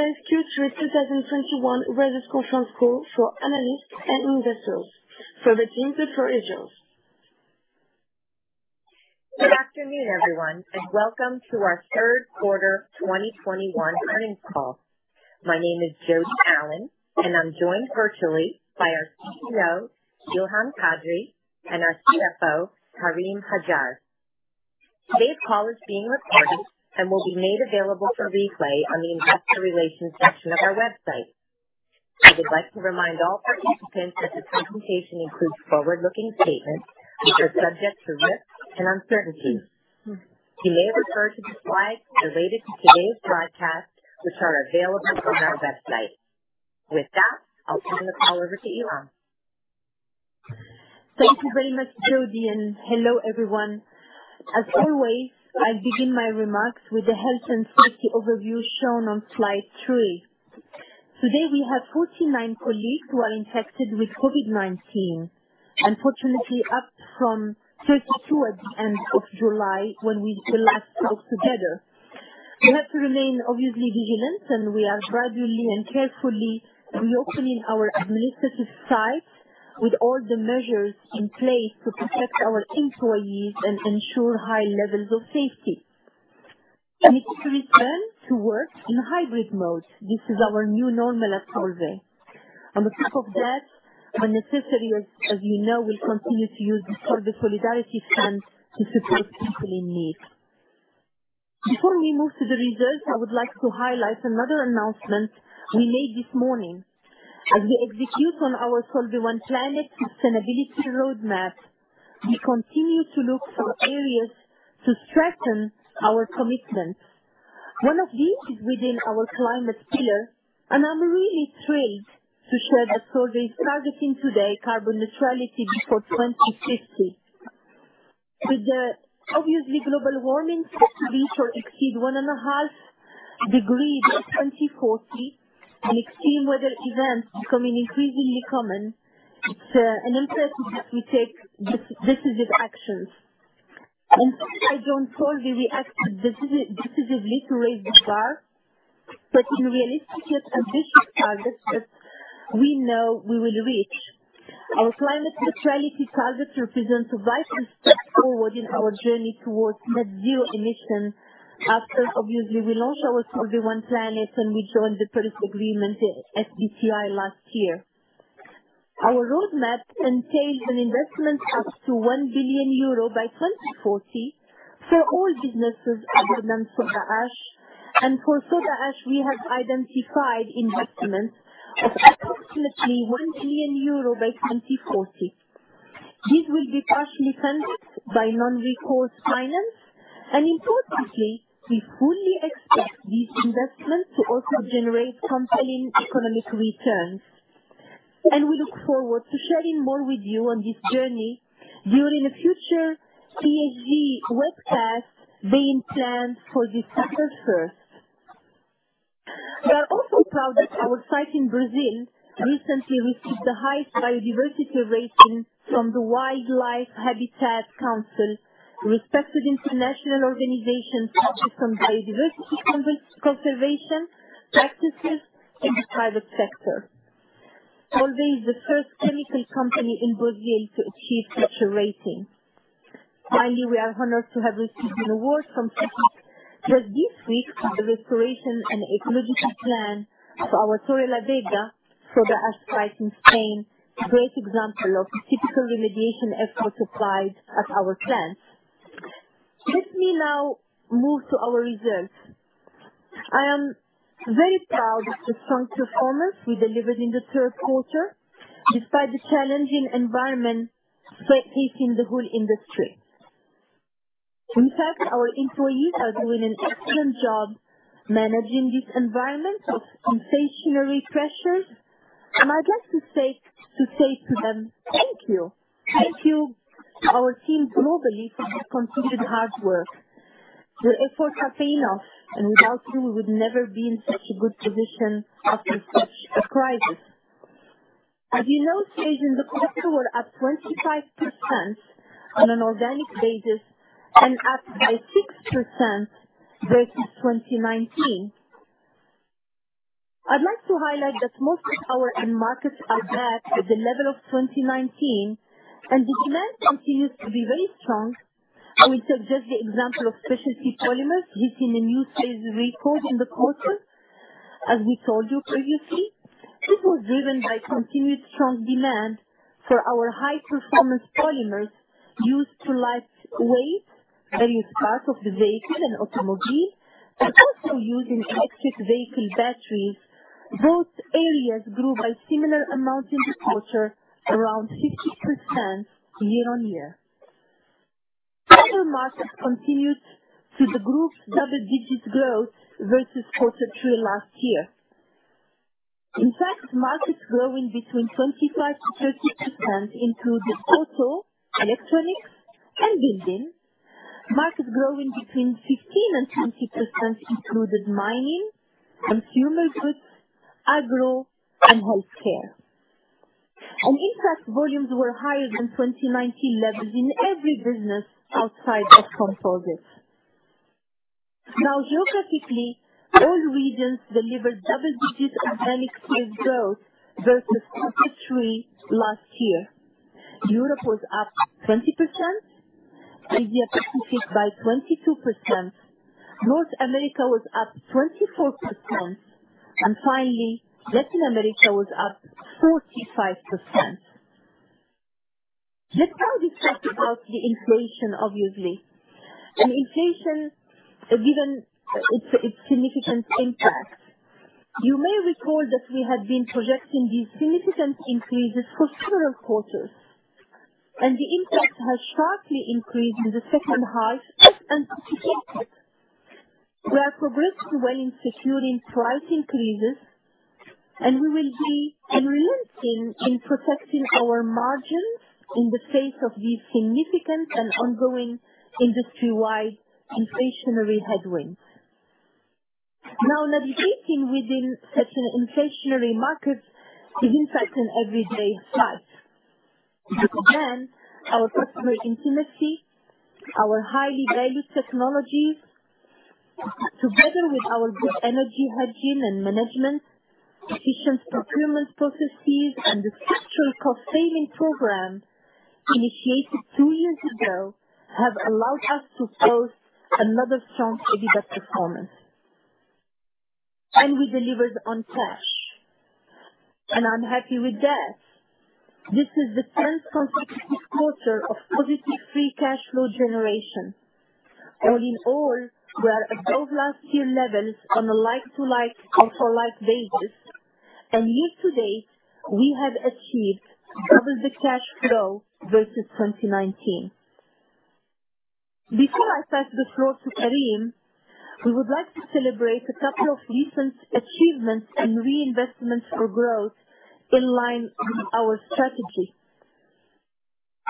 Welcome to Solvay's Q3 2021 Results Conference Call for analysts and investors. For the teams, it's originals. Good afternoon, everyone, and welcome to our third quarter 2021 earnings call. My name is Jodi Allen, and I'm joined virtually by our CEO, Ilham Kadri, and our CFO, Karim Hajjar. Today's call is being recorded and will be made available for replay on the investor relations section of our website. I would like to remind all participants that the presentation includes forward-looking statements which are subject to risks and uncertainties. You may refer to the slides related to today's broadcast, which are available on our website. With that, I'll turn the call over to Ilham. Thank you very much, Jodi, and hello, everyone. As always, I'll begin my remarks with the health and safety overview shown on slide three. Today, we have 49 colleagues who are infected with COVID-19, unfortunately up from 52 at the end of July when we last talked together. We have to remain obviously vigilant, and we are gradually and carefully reopening our administrative sites with all the measures in place to protect our employees and ensure high levels of safety. We need to return to work in hybrid mode. This is our new normal at Solvay. On the top of that, when necessary, as you know, we'll continue to use the Solvay Solidarity Fund to support people in need. Before we move to the results, I would like to highlight another announcement we made this morning. As we execute on our Solvay One Planet sustainability roadmap, we continue to look for areas to strengthen our commitment. One of these is within our climate pillar, and I'm really thrilled to share that Solvay is targeting today carbon neutrality before 2050. With the obviously global warming set to reach or exceed 1.5 degrees by 2040 and extreme weather events becoming increasingly common, it's an imperative that we take decisive actions. At Solvay, we acted decisively to raise the bar, setting realistic yet ambitious targets that we know we will reach. Our climate neutrality target represents a vital step forward in our journey towards net zero emissions after obviously we launched our Solvay One Planet, and we joined the Paris Agreement, SBTi last year. Our roadmap entails an investment up to 1 billion euro by 2040 for all businesses other than Soda Ash. For Soda Ash, we have identified investments of approximately 1 billion euro by 2040. This will be partially funded by non-recourse finance, and importantly, we fully expect this investment to also generate compelling economic returns. We look forward to sharing more with you on this journey during a future ESG webcast being planned for December 1st. We are also proud that our site in Brazil recently received the highest biodiversity rating from the Wildlife Habitat Council, a respected international organization focused on biodiversity conservation practices in the private sector. Solvay is the first chemical company in Brazil to achieve such a rating. Finally, we are honored to have received an award from Cefic just this week for the restoration and ecological plan for our Torrelavega Soda Ash site in Spain, a great example of typical remediation efforts applied at our plants. Let me now move to our results. I am very proud of the strong performance we delivered in the third quarter, despite the challenging environment facing the whole industry. In fact, our employees are doing an excellent job managing this environment of inflationary pressures. I'd like to say to them, thank you. Thank you to our teams globally for your continued hard work. The efforts are paying off, and without you, we would never be in such a good position after such a crisis. As you know, sales in the quarter were up 25% on an organic basis and up by 6% versus 2019. I'd like to highlight that most of our end markets are back at the level of 2019, and the demand continues to be very strong. I would suggest the example of Specialty Polymers hitting a new sales record in the quarter. As we told you previously, this was driven by continued strong demand for our high-performance polymers used to lightweight various parts of the vehicle and automobile, but also used in electric vehicle batteries. Both areas grew by similar amounts in the quarter, around 50% year-on-year. Other markets contributed to the group's double-digit growth versus quarter three last year. In fact, markets growing between 25%-30% included auto, electronics, and building. Markets growing between 15%-20% included mining, consumer goods, agro, and healthcare. In fact, volumes were higher than 2019 levels in every business outside of composites. Geographically, all regions delivered double digits organic sales growth versus Q3 last year. Europe was up 20%. Asia Pacific by 22%. North America was up 24%. Finally, Latin America was up 45%. Let's now discuss about the inflation, obviously. Inflation, given its significant impact. You may recall that we had been projecting these significant increases for several quarters, and the impact has sharply increased in the second half as anticipated. We are progressing well in securing price increases, and we will be unrelenting in protecting our margins in the face of these significant and ongoing industry-wide inflationary headwinds. Navigating within such an inflationary market is impacting everyday life. Again, our customer intimacy, our highly valued technologies, together with our good energy hygiene and management, efficient procurement processes and the structural cost saving program initiated two years ago, have allowed us to post another strong EBITDA performance. We delivered on cash, and I'm happy with that. This is the 10th consecutive quarter of positive free cash flow generation. All in all, we are above last year levels on a like-to-like, like-for-like basis. Year to date, we have achieved double the cash flow versus 2019. Before I pass the floor to Karim, we would like to celebrate a couple of recent achievements and reinvestments for growth in line with our strategy.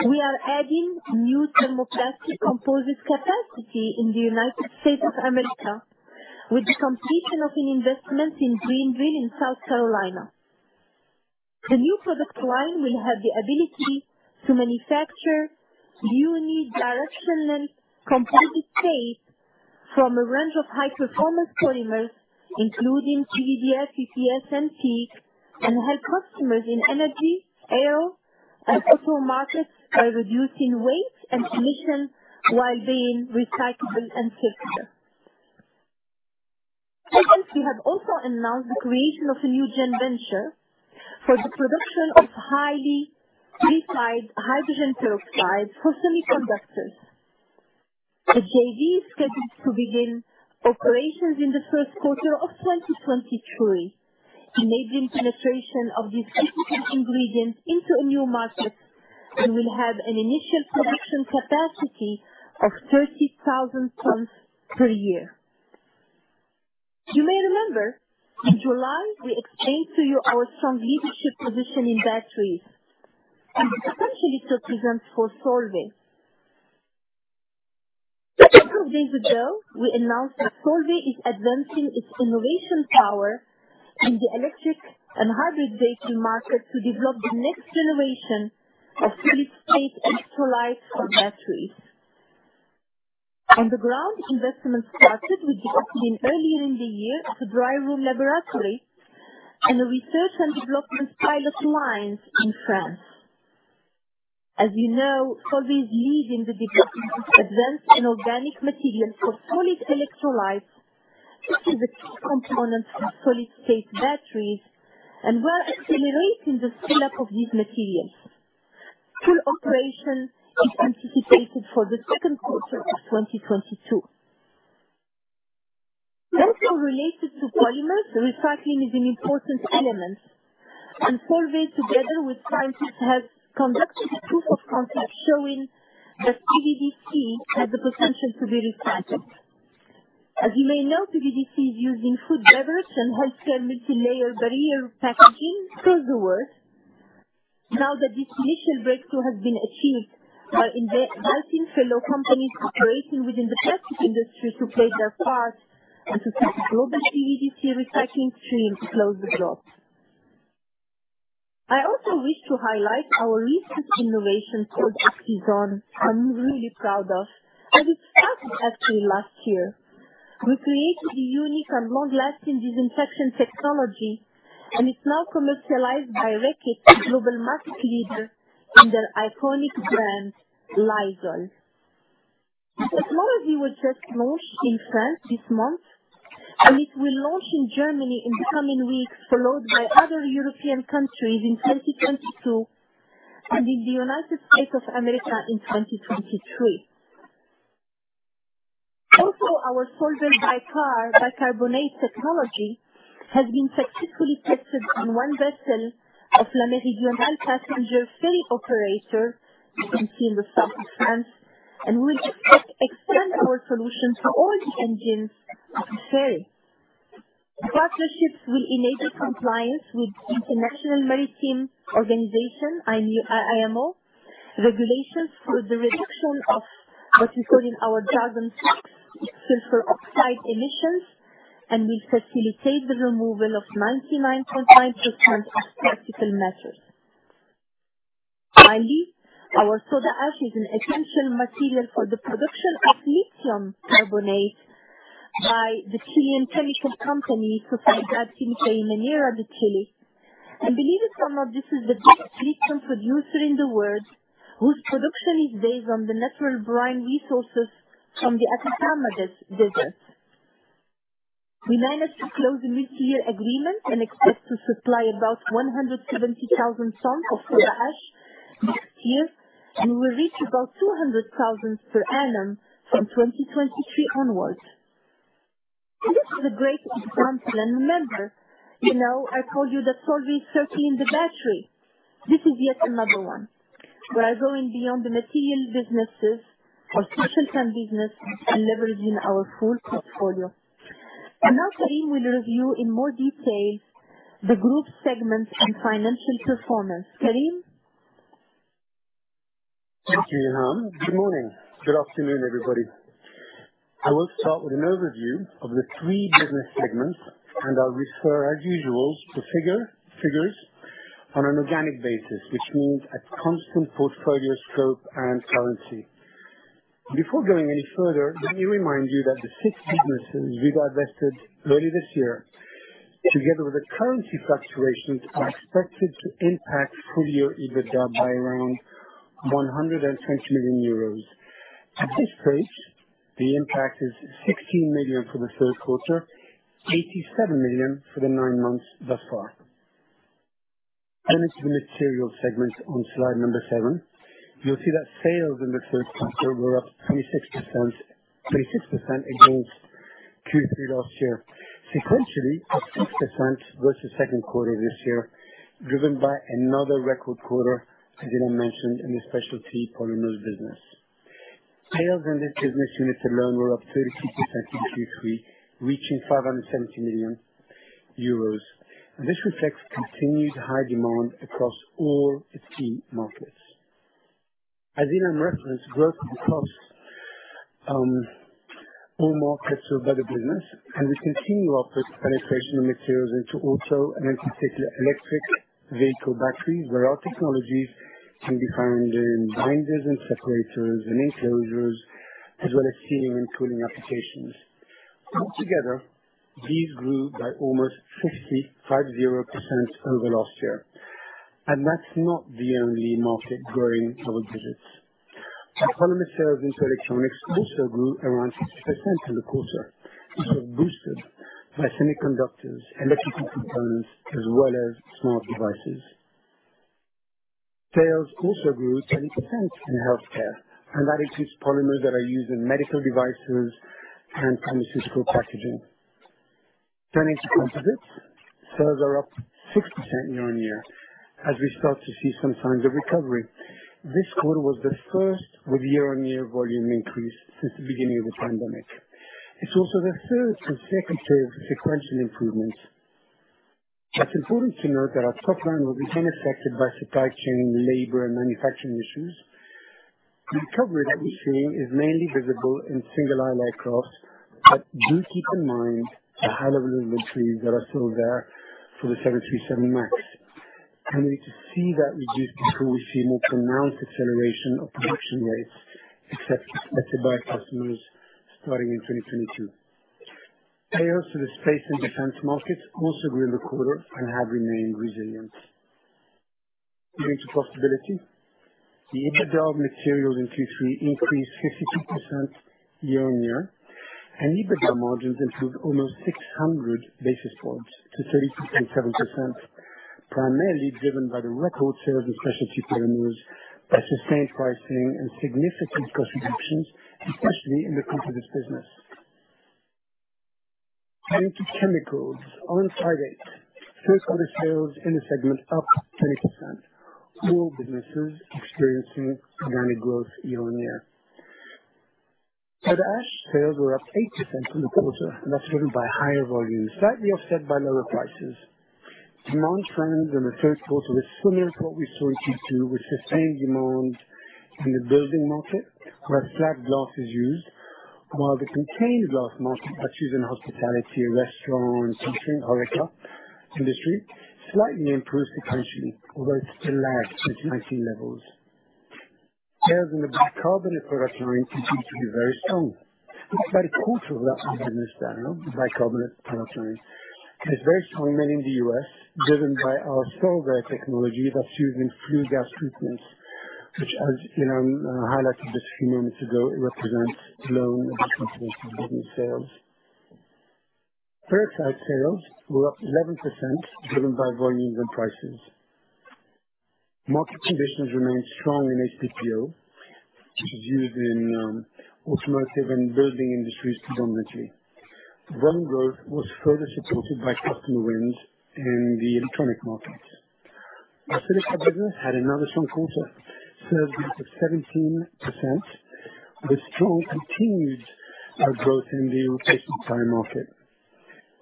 We are adding new Thermoplastic Composites capacity in the United States of America with the completion of an investment in Greenville in South Carolina. The new product line will have the ability to manufacture unidirectional composite tapes from a range of high performance polymers including PVDF, PPS, and PEEK, help customers in energy, aero, and auto markets by reducing weight and emission while being recyclable and circular. Second, we have also announced the creation of a new JV for the production of highly purified hydrogen peroxide for semiconductors. The JV is scheduled to begin operations in the first quarter of 2023, enabling penetration of this critical ingredient into a new market and will have an initial production capacity of 30,000 tons per year. You may remember in July, we explained to you our strong leadership position in batteries and the potential it represents for Solvay. A couple of days ago, we announced that Solvay is advancing its innovation power in the electric and hybrid vehicle market to develop the next generation of solid-state electrolytes for batteries. On the ground, investment started with the opening earlier in the year of a dry room laboratory and a research and development pilot line in France. As you know, Solvay is leading the development of advanced inorganic materials for solid-state electrolytes, which is a key component for solid-state batteries. We're accelerating the scale-up of these materials. Full operation is anticipated for the second quarter of 2022. Also related to polymers, recycling is an important element. Solvay, together with scientists, has conducted a proof of concept showing that PVDC has the potential to be recycled. As you may know, PVDC is used in food, beverage, and healthcare multilayer barrier packaging throughout the world. Now that this initial breakthrough has been achieved, we are inviting fellow companies operating within the plastic industry to play their part and to set a global PVDC recycling stream to close the loop. I also wish to highlight our latest innovation project is one I'm really proud of, and it started actually last year. We created a unique and long-lasting disinfection technology, and it's now commercialized by Reckitt, global market leader in their iconic brand, Lysol. The technology was just launched in France this month, and it will launch in Germany in the coming weeks, followed by other European countries in 2022 and in the United States of America in 2023. Our Solvay Bicar bicarbonate technology has been successfully tested on one vessel of La Méridionale, passenger ferry operator, you can see in the south of France, and we'll extend our solution to all the engines of the ferry. The partnerships will enable compliance with International Maritime Organization, IMO regulations for the reduction of what we call in our jargon, sulfur oxide emissions. They will facilitate the removal of 99.5% of particulate matter. Finally, our Soda Ash is an essential material for the production of lithium carbonate by the Chilean chemical company, Sociedad Química y Minera de Chile. Believe it or not, this is the biggest lithium producer in the world, whose production is based on the natural brine resources from the Atacama Desert. We managed to close a multi-year agreement and expect to supply about 170,000 tons of Soda Ash this year, and we'll reach about 200,000 per annum from 2023 onwards. This is a great example, and remember, you know, I told you that Solvay is serving the battery. This is yet another one, where going beyond the material businesses for future term business and leveraging our full portfolio. Now Karim will review in more detail the group segments and financial performance. Karim? Thank you, Ilham. Good morning. Good afternoon, everybody. I will start with an overview of the three business segments, and I'll refer, as usual, to figures on an organic basis, which means at constant portfolio scope and currency. Before going any further, let me remind you that the six businesses divested early this year, together with the currency fluctuations, are expected to impact full-year EBITDA by around 120 million euros. At this stage, the impact is 16 million for the third quarter, 87 million for the nine months thus far. Into the materials segment on slide seven, you'll see that sales in the third quarter were up 26%, 26% against Q3 last year. Sequentially, up 6% versus second quarter this year, driven by another record quarter, as Ilham mentioned, in the Specialty Polymers business. Sales in this business unit alone were up 32% in Q3, reaching 570 million euros. This reflects continued high demand across all key markets. As Ilham referenced, growth across all markets served by the business and the continued upward penetration of materials into, and in particular, electric vehicle batteries, where our technologies can be found in binders and separators and enclosures, as well as heating and cooling applications. Altogether, these grew by almost 55% over last year. That's not the only market growing double digits. Our polymer sales into electronics also grew around 60% for the quarter. This was boosted by semiconductors, electrical components, as well as smart devices. Sales also grew 10% in healthcare, and that includes polymers that are used in medical devices and pharmaceutical packaging. Turning to Composites, sales are up 6% year-on-year as we start to see some signs of recovery. This quarter was the first with year-on-year volume increase since the beginning of the pandemic. It's also the third consecutive sequential improvement. It's important to note that our top line will be unaffected by supply chain, labor, and manufacturing issues. The recovery that we're seeing is mainly visible in single-aisle aircraft. But do keep in mind the high level of inventories that are still there for the 737 MAX. We need to see that reduce before we see more pronounced acceleration of production rates accepted by customers starting in 2022. Sales to the space and defense markets also grew in the quarter and have remained resilient. Moving to profitability, the EBITDA of Materials in Q3 increased 52% year-on-year, and EBITDA margins improved almost 600 basis points to 32.7%, primarily driven by the record sales of the Specialty Polymers via sustained pricing and significant cost reductions, especially in the Composites business. Turning to Chemicals on slide eight. Third quarter sales in the segment up 20%. All businesses experiencing organic growth year-on-year. Soda Ash sales were up 80% for the quarter, and that's driven by higher volumes, slightly offset by lower prices. Demand trends in the third quarter were similar to what we saw in Q2, with sustained demand in the building market, where flat glass is used, while the container glass market, that's used in hospitality, restaurant, and catering, HORECA industry, slightly improves sequentially, although it still lags its 2019 levels. Sales in the bicarbonate production line continued to be very strong. It's about a quarter of our business now, the bicarbonate production line. It's very strong mainly in the U.S., driven by our Solvay technology that's used in flue gas treatments, which, as Ilham highlighted just a few moments ago, it represents a long and significant business sales. Peroxide sales were up 11%, driven by volumes and prices. Market conditions remained strong in HPPO, which is used in automotive and building industries predominantly. Volume growth was further supported by customer wins in the electronic markets. Our silica business had another strong quarter. Sales grew 17% with strong continued growth in the tire market.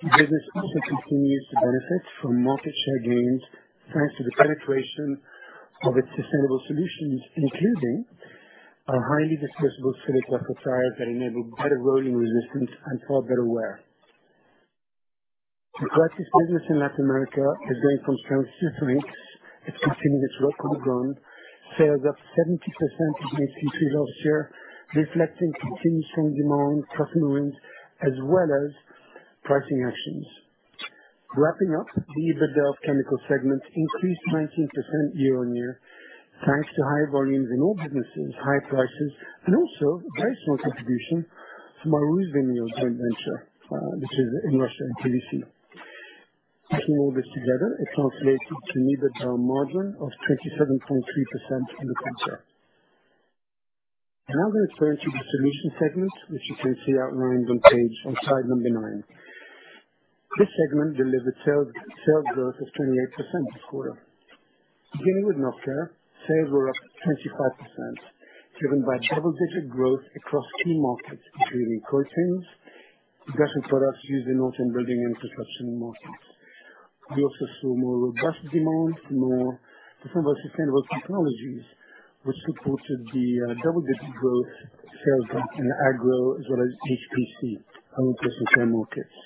The business also continues to benefit from market share gains, thanks to the penetration of its sustainable solutions, including our highly dispersible silica for tires that enable better rolling resistance and far better wear. The Coatis business in Latin America is going from strength to strength. It continued its record run, sales up 70% in Q3 last year, reflecting continued strong demand, pricing wins, as well as pricing actions. Wrapping up, the EBITDA for the chemical segment increased 19% year-on-year, thanks to high volumes in all businesses, high prices, and also very small contribution from our recent new joint venture, which is in Russia and Malaysia. Putting all this together, it translated to an EBITDA margin of 27.3% in the quarter. Now I'm gonna turn to the solutions segment, which you can see outlined on slide number nine. This segment delivered sales growth of 28% this quarter. Beginning with Novecare, sales were up 25%, driven by double-digit growth across key markets, including coatings, adhesives products used in auto and building infrastructure markets. We also saw more robust demand from our sustainable technologies, which supported the double-digit growth sales in Agro as well as HPC end-user markets.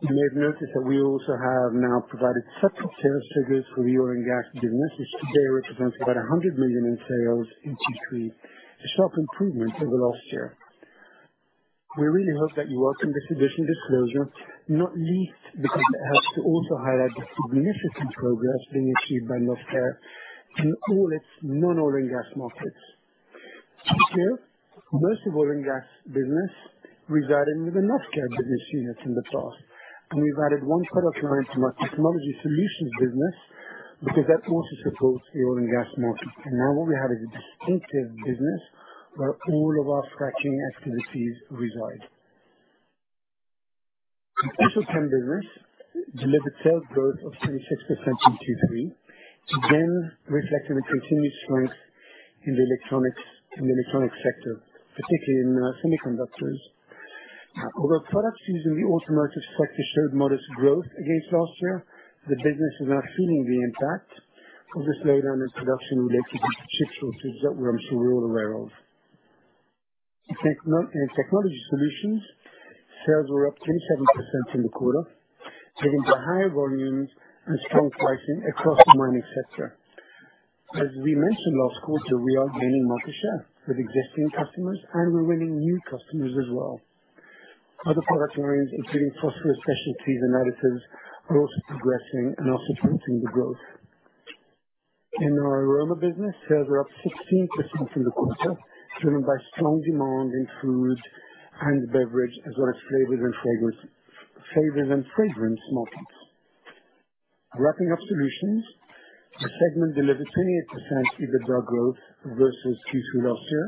You may have noticed that we also have now provided separate sales figures for the oil and gas business, which today represents about 100 million in sales in Q3, a sharp improvement over last year. We really hope that you welcome this additional disclosure, not least because it helps to also highlight the significant progress being achieved by Novecare in all its non-oil and gas markets. Unlike most of the oil and gas business resided with the Novecare business unit in the past, and we've added one product line to our Technology Solutions business because that also supports the oil and gas market. Now what we have is a distinctive business where all of our fracking activities reside. The Novecare business delivered sales growth of 26% in Q3, again reflecting the continued strength in the electronics sector, particularly in our semiconductors. Although products used in the automotive sector showed modest growth against last year, the business is now feeling the impact of the slowdown in production related to chip shortages that I'm sure we're all aware of. In Technology Solutions, sales were up 27% in the quarter, driven by higher volumes and strong pricing across the mining sector. As we mentioned last quarter, we are gaining market share with existing customers and we're winning new customers as well. Other product lines, including phosphorus specialties and additives, are also progressing and also boosting the growth. In our aroma business, sales are up 16% in the quarter, driven by strong demand in food and beverage as well as flavors and fragrance, flavors and fragrance markets. Wrapping up solutions, the segment delivered 28% EBITDA growth versus Q3 last year,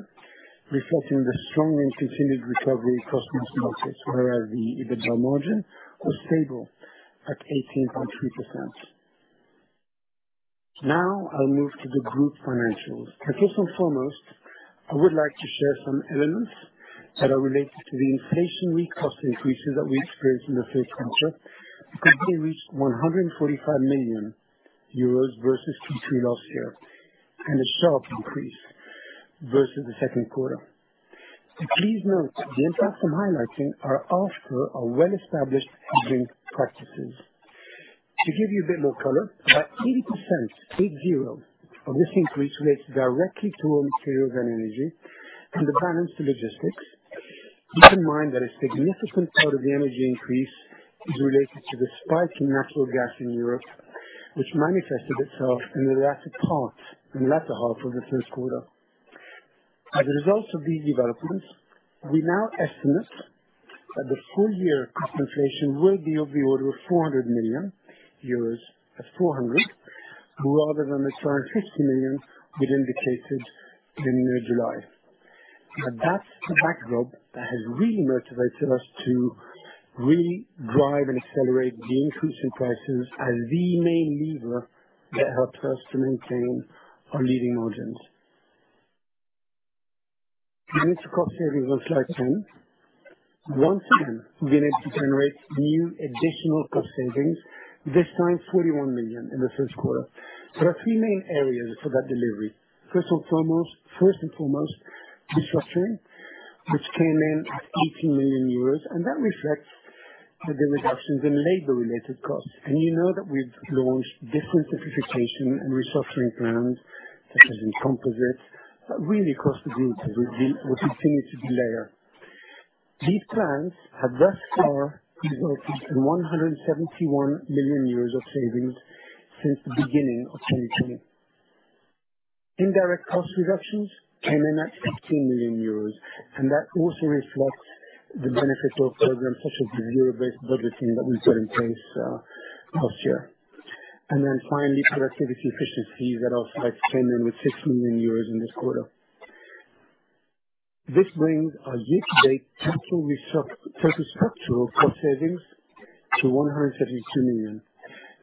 reflecting the strong and continued recovery across most markets, whereas the EBITDA margin was stable at 18.3%. Now I'll move to the group financials. First and foremost, I would like to share some elements that are related to the inflationary cost increases that we experienced in the first quarter, because they reached 145 million euros versus Q3 last year, and a sharp increase versus the second quarter. Please note, the impacts I'm highlighting are after our well-established hedging practices. To give you a bit more color, about 80%, 80, of this increase relates directly to raw materials and energy and the balance to logistics. Keep in mind that a significant part of the energy increase is related to the spike in natural gas in Europe, which manifested itself in the latter half of the first quarter. As a result of these developments, we now estimate that the full year cost inflation will be of the order of 400 million euros, at 400, rather than the 350 million we indicated in mid-July. That's the backdrop that has really motivated us to really drive and accelerate the increase in prices as the main lever that helps us to maintain our leading margins. Moving to cost savings on slide 10. Once again, we managed to generate new additional cost savings, this time 41 million in the first quarter. There are three main areas for that delivery. First and foremost, restructuring, which came in at 18 million euros, and that reflects the reductions in labor related costs. You know that we've launched different simplification and restructuring plans, such as in Composites, that really across the group will continue to deliver. These plans have thus far resulted in 171 million of savings since the beginning of 2020. Indirect cost reductions came in at 15 million euros, and that also reflects the benefits of programs such as the zero-based budgeting that we put in place last year. Finally, productivity efficiencies that also came in with 6 million euros in this quarter. This brings our year-to-date total structural cost savings to 172 million.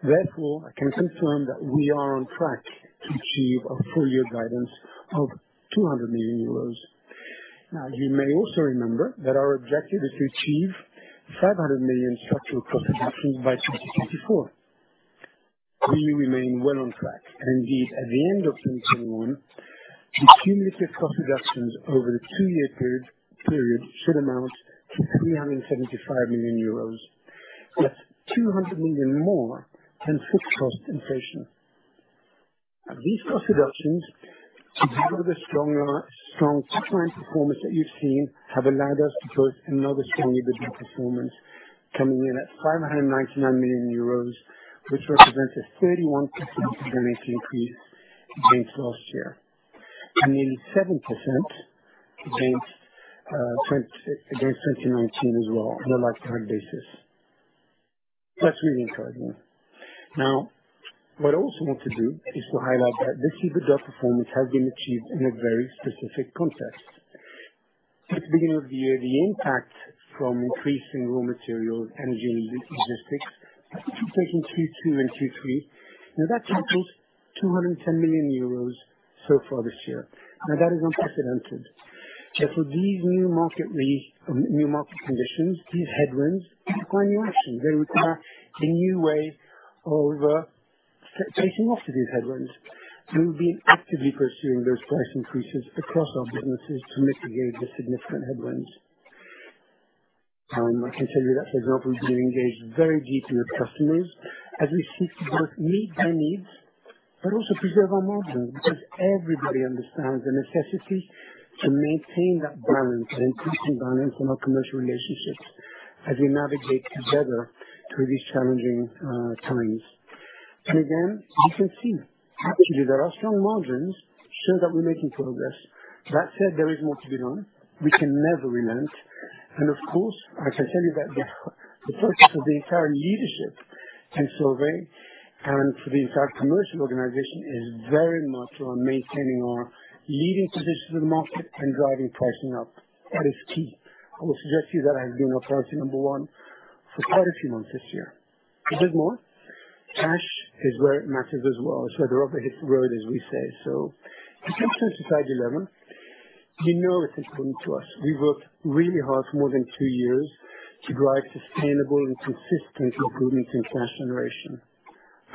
Therefore, I can confirm that we are on track to achieve our full year guidance of 200 million euros. Now, you may also remember that our objective is to achieve 500 million structural cost reductions by 2024. We remain well on track. Indeed, at the end of 2021, the cumulative cost reductions over the two-year period should amount to 375 million euros. That's 200 million more than fixed cost inflation. Now, these cost reductions, together with strong top-line performance that you've seen, have allowed us to post another strong EBITDA performance coming in at 599 million euros, which represents a 31% organic increase against last year, and 87% against 2019 as well on a like-for-like basis. That's really encouraging. Now, what I also want to do is to highlight that this EBITDA performance has been achieved in a very specific context. At the beginning of the year, the impact from increasing raw materials, energy and logistics, inflation 2.2% and 2.3%. That totals 210 million euros so far this year. That is unprecedented. Therefore, these new market conditions, these headwinds require new action. They require a new way of facing off these headwinds. We've been actively pursuing those price increases across our businesses to mitigate the significant headwinds. I can tell you that's an example. We've been engaged very deeply with customers as we seek to both meet their needs but also preserve our margins, because everybody understands the necessity to maintain that balance and increasing balance in our commercial relationships as we navigate together through these challenging times. Again, you can see actually there are strong margins showing that we're making progress. That said, there is more to be done. We can never relent. Of course, I can tell you that the focus of the entire leadership in Solvay and for the entire commercial organization is very much on maintaining our leading position in the market and driving pricing up. That is key. I will suggest to you that it has been our priority number one for quite a few months this year. There's more. Cash is where it matters as well. It's where the rubber hits the road, as we say. In terms of page 11, you know it is important to us. We worked really hard more than two years to drive sustainable and consistent improvements in cash generation.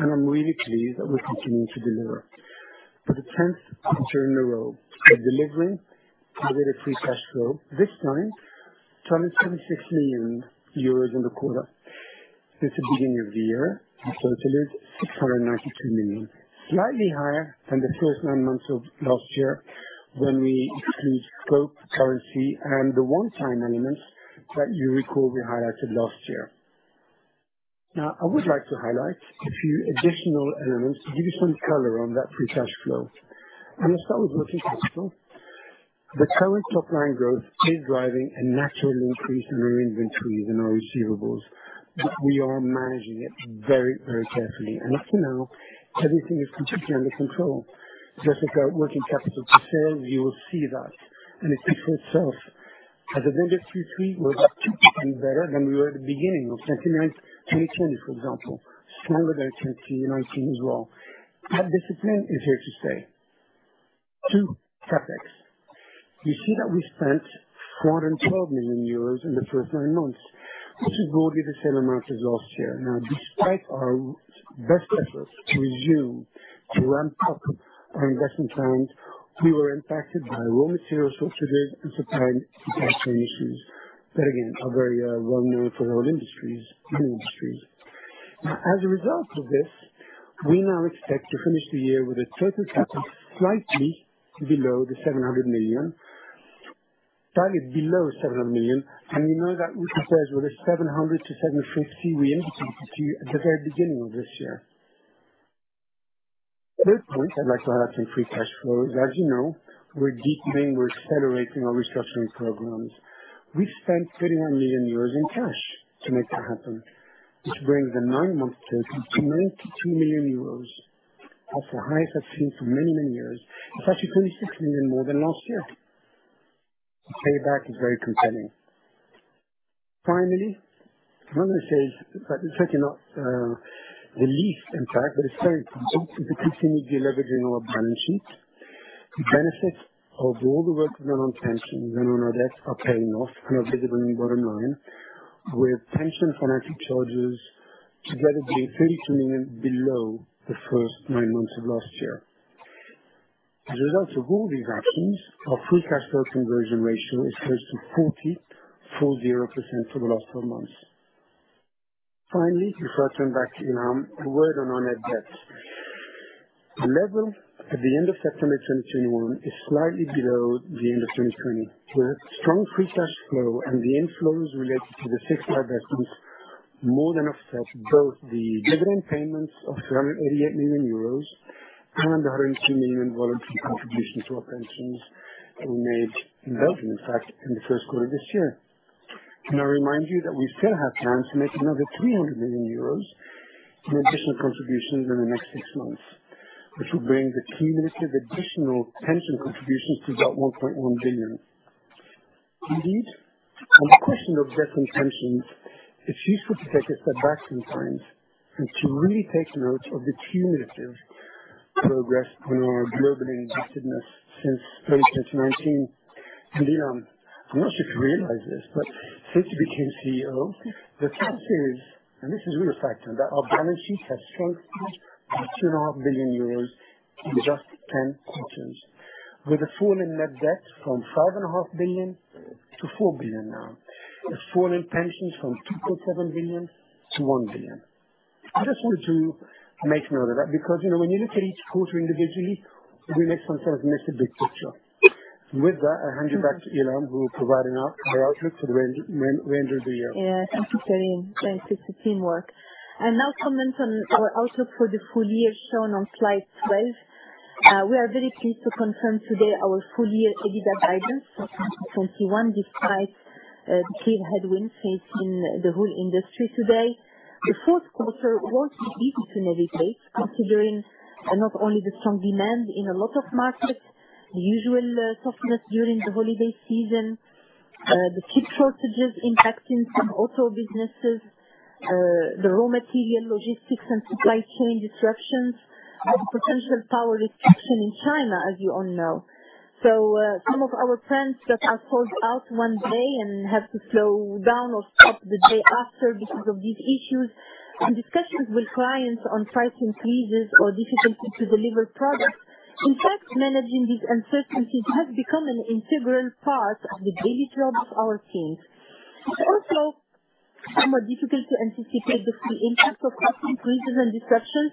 I'm really pleased that we're continuing to deliver. For the tenth quarter in a row, we are delivering positive free cash flow, this time 276 million euros in the quarter. Since the beginning of the year, the total is 692 million, slightly higher than the first nine months of last year when we exclude scope, currency, and the one-time elements that you recall we highlighted last year. Now, I would like to highlight a few additional elements to give you some color on that free cash flow. Let's start with working capital. The current top line growth is driving a natural increase in our inventories and our receivables. We are managing it very, very carefully, and up to now, everything is completely under control. Just look at working capital to sales, you will see that. It speaks for itself. As of end of Q3, we're about two times better than we were at the beginning of 2010, for example. Stronger than 2019 as well. That discipline is here to stay. Two, CapEx. You see that we spent 412 million euros in the first nine months, which is broadly the same amount as last year. Now, despite our best efforts to resume, to ramp up our investment plans, we were impacted by raw material shortages and supply and capacity issues that, again, are very well-known for all industries, many industries. Now, as a result of this, we now expect to finish the year with a total CapEx slightly below the 700 million, target below 700 million, and you know that we compare it with the 700 million-750 million we indicated to you at the very beginning of this year. Third point I'd like to highlight in free cash flow is, as you know, we're deepening, we're accelerating our restructuring programs. We've spent 31 million euros in cash to make that happen, which brings the nine-month total to 92 million euros. That's the highest I've seen for many, many years. It's actually 26 million more than last year. The payback is very compelling. Finally, what I'm gonna say is, in fact, it's certainly not the least impact, but it's very important as we continue de-leveraging our balance sheet. The benefits of all the work done on pensions and on our debt are paying off and are visible in the bottom line, with pension financial charges together being 32 million below the first nine months of last year. As a result of all these actions, our free cash flow conversion ratio is close to 44% for the last twelve months. Finally, before I turn back to Ilham, a word on our net debt. The level at the end of September 2021 is slightly below the end of 2020, where strong free cash flow and the inflows related to the fixed divests make more than offset both the dividend payments of 388 million euros and 102 million voluntary contribution to our pensions that we made in Belgium, in fact, in the first quarter of this year. Can I remind you that we still have plans to make another 300 million euros in additional contributions in the next six months, which will bring the cumulative additional pension contributions to about 1.1 billion. Indeed, on the question of debt and pensions, it's useful to take a step back in time and to really take note of the cumulative progress on our global indebtedness since 2019. Ilham, I'm not sure if you realize this, but since you became CEO, the fact is, and this is a real factor, that our balance sheet has strengthened by 2.5 billion euros in just 10 quarters, with a fall in net debt from 5.5 billion to 4 billion now, a fall in pensions from 2.7 billion to 1 billion. I just wanted to make note of that because, you know, when you look at each quarter individually, we may sometimes miss the big picture. With that, I hand you back to Ilham, who will provide our outlook for the remainder of the year. Yeah, thank you, Karim. Thanks to the team. I now comment on our outlook for the full year shown on slide 12. We are very pleased to confirm today our full year EBITDA guidance for 2021, despite the key headwinds facing the whole industry today. The fourth quarter was indeed tough to navigate, considering not only the strong demand in a lot of markets, the usual softness during the holiday season, the chip shortages impacting some auto businesses, the raw material, logistics and supply chain disruptions, and potential power restriction in China, as you all know. Some of our plants that are sold out one day and have to slow down or stop the day after because of these issues, and discussions with clients on price increases or difficulty to deliver products. In fact, managing these uncertainties has become an integral part of the daily job of our teams. It's also somewhat difficult to anticipate the full impact of price increases and disruptions,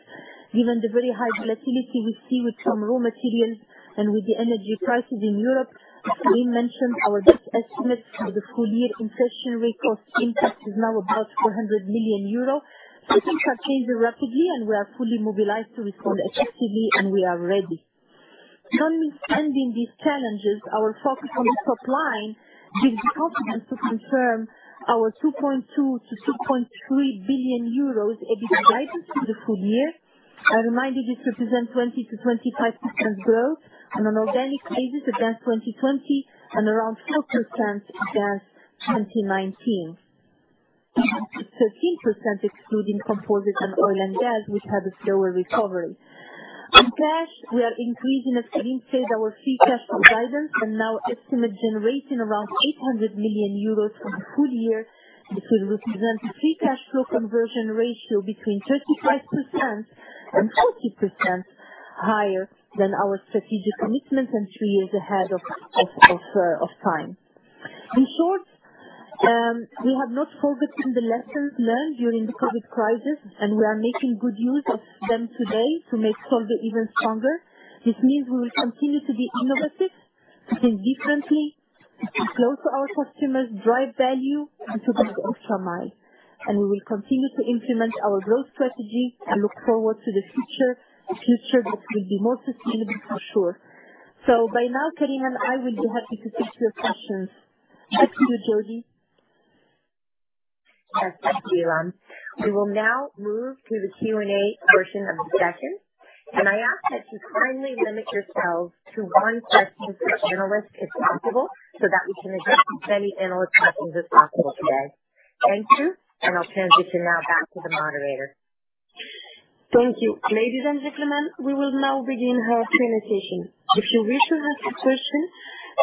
given the very high volatility we see with some raw materials and with the energy crisis in Europe. As Karim mentioned, our best estimate for the full year inflationary cost impact is now about 400 million euro. Things are changing rapidly, and we are fully mobilized to respond effectively, and we are ready. Notwithstanding these challenges, our focus on the top line gives the confidence to confirm our 2.2 billion-2.3 billion euros EBITDA guidance for the full year. I remind you this represents 20%-25% growth on an organic basis against 2020 and around 4% against 2019. 13% excluding Composites and oil and gas, which have a slower recovery. On cash, we are increasing, as Karim said, our free cash flow guidance and now estimate generating around 800 million euros for the full year, which will represent a free cash flow conversion ratio between 35% and 40% higher than our strategic commitment and three years ahead of time. In short, we have not forgotten the lessons learned during the COVID crisis, and we are making good use of them today to make Solvay even stronger. This means we will continue to be innovative, think differently, be close to our customers, drive value, and to think optimize. We will continue to implement our growth strategy and look forward to the future, a future that will be more sustainable for sure. By now, Karim and I will be happy to take your questions. Back to you, Jodi. Yes, thank you, Ilham. We will now move to the Q&A portion of the session, and I ask that you kindly limit yourselves to one question per analyst if possible, so that we can address as many analyst questions as possible today. Thank you, and I'll transition now back to the moderator. Thank you. Ladies and gentlemen, we will now begin our Q&A session. If you wish to ask a question,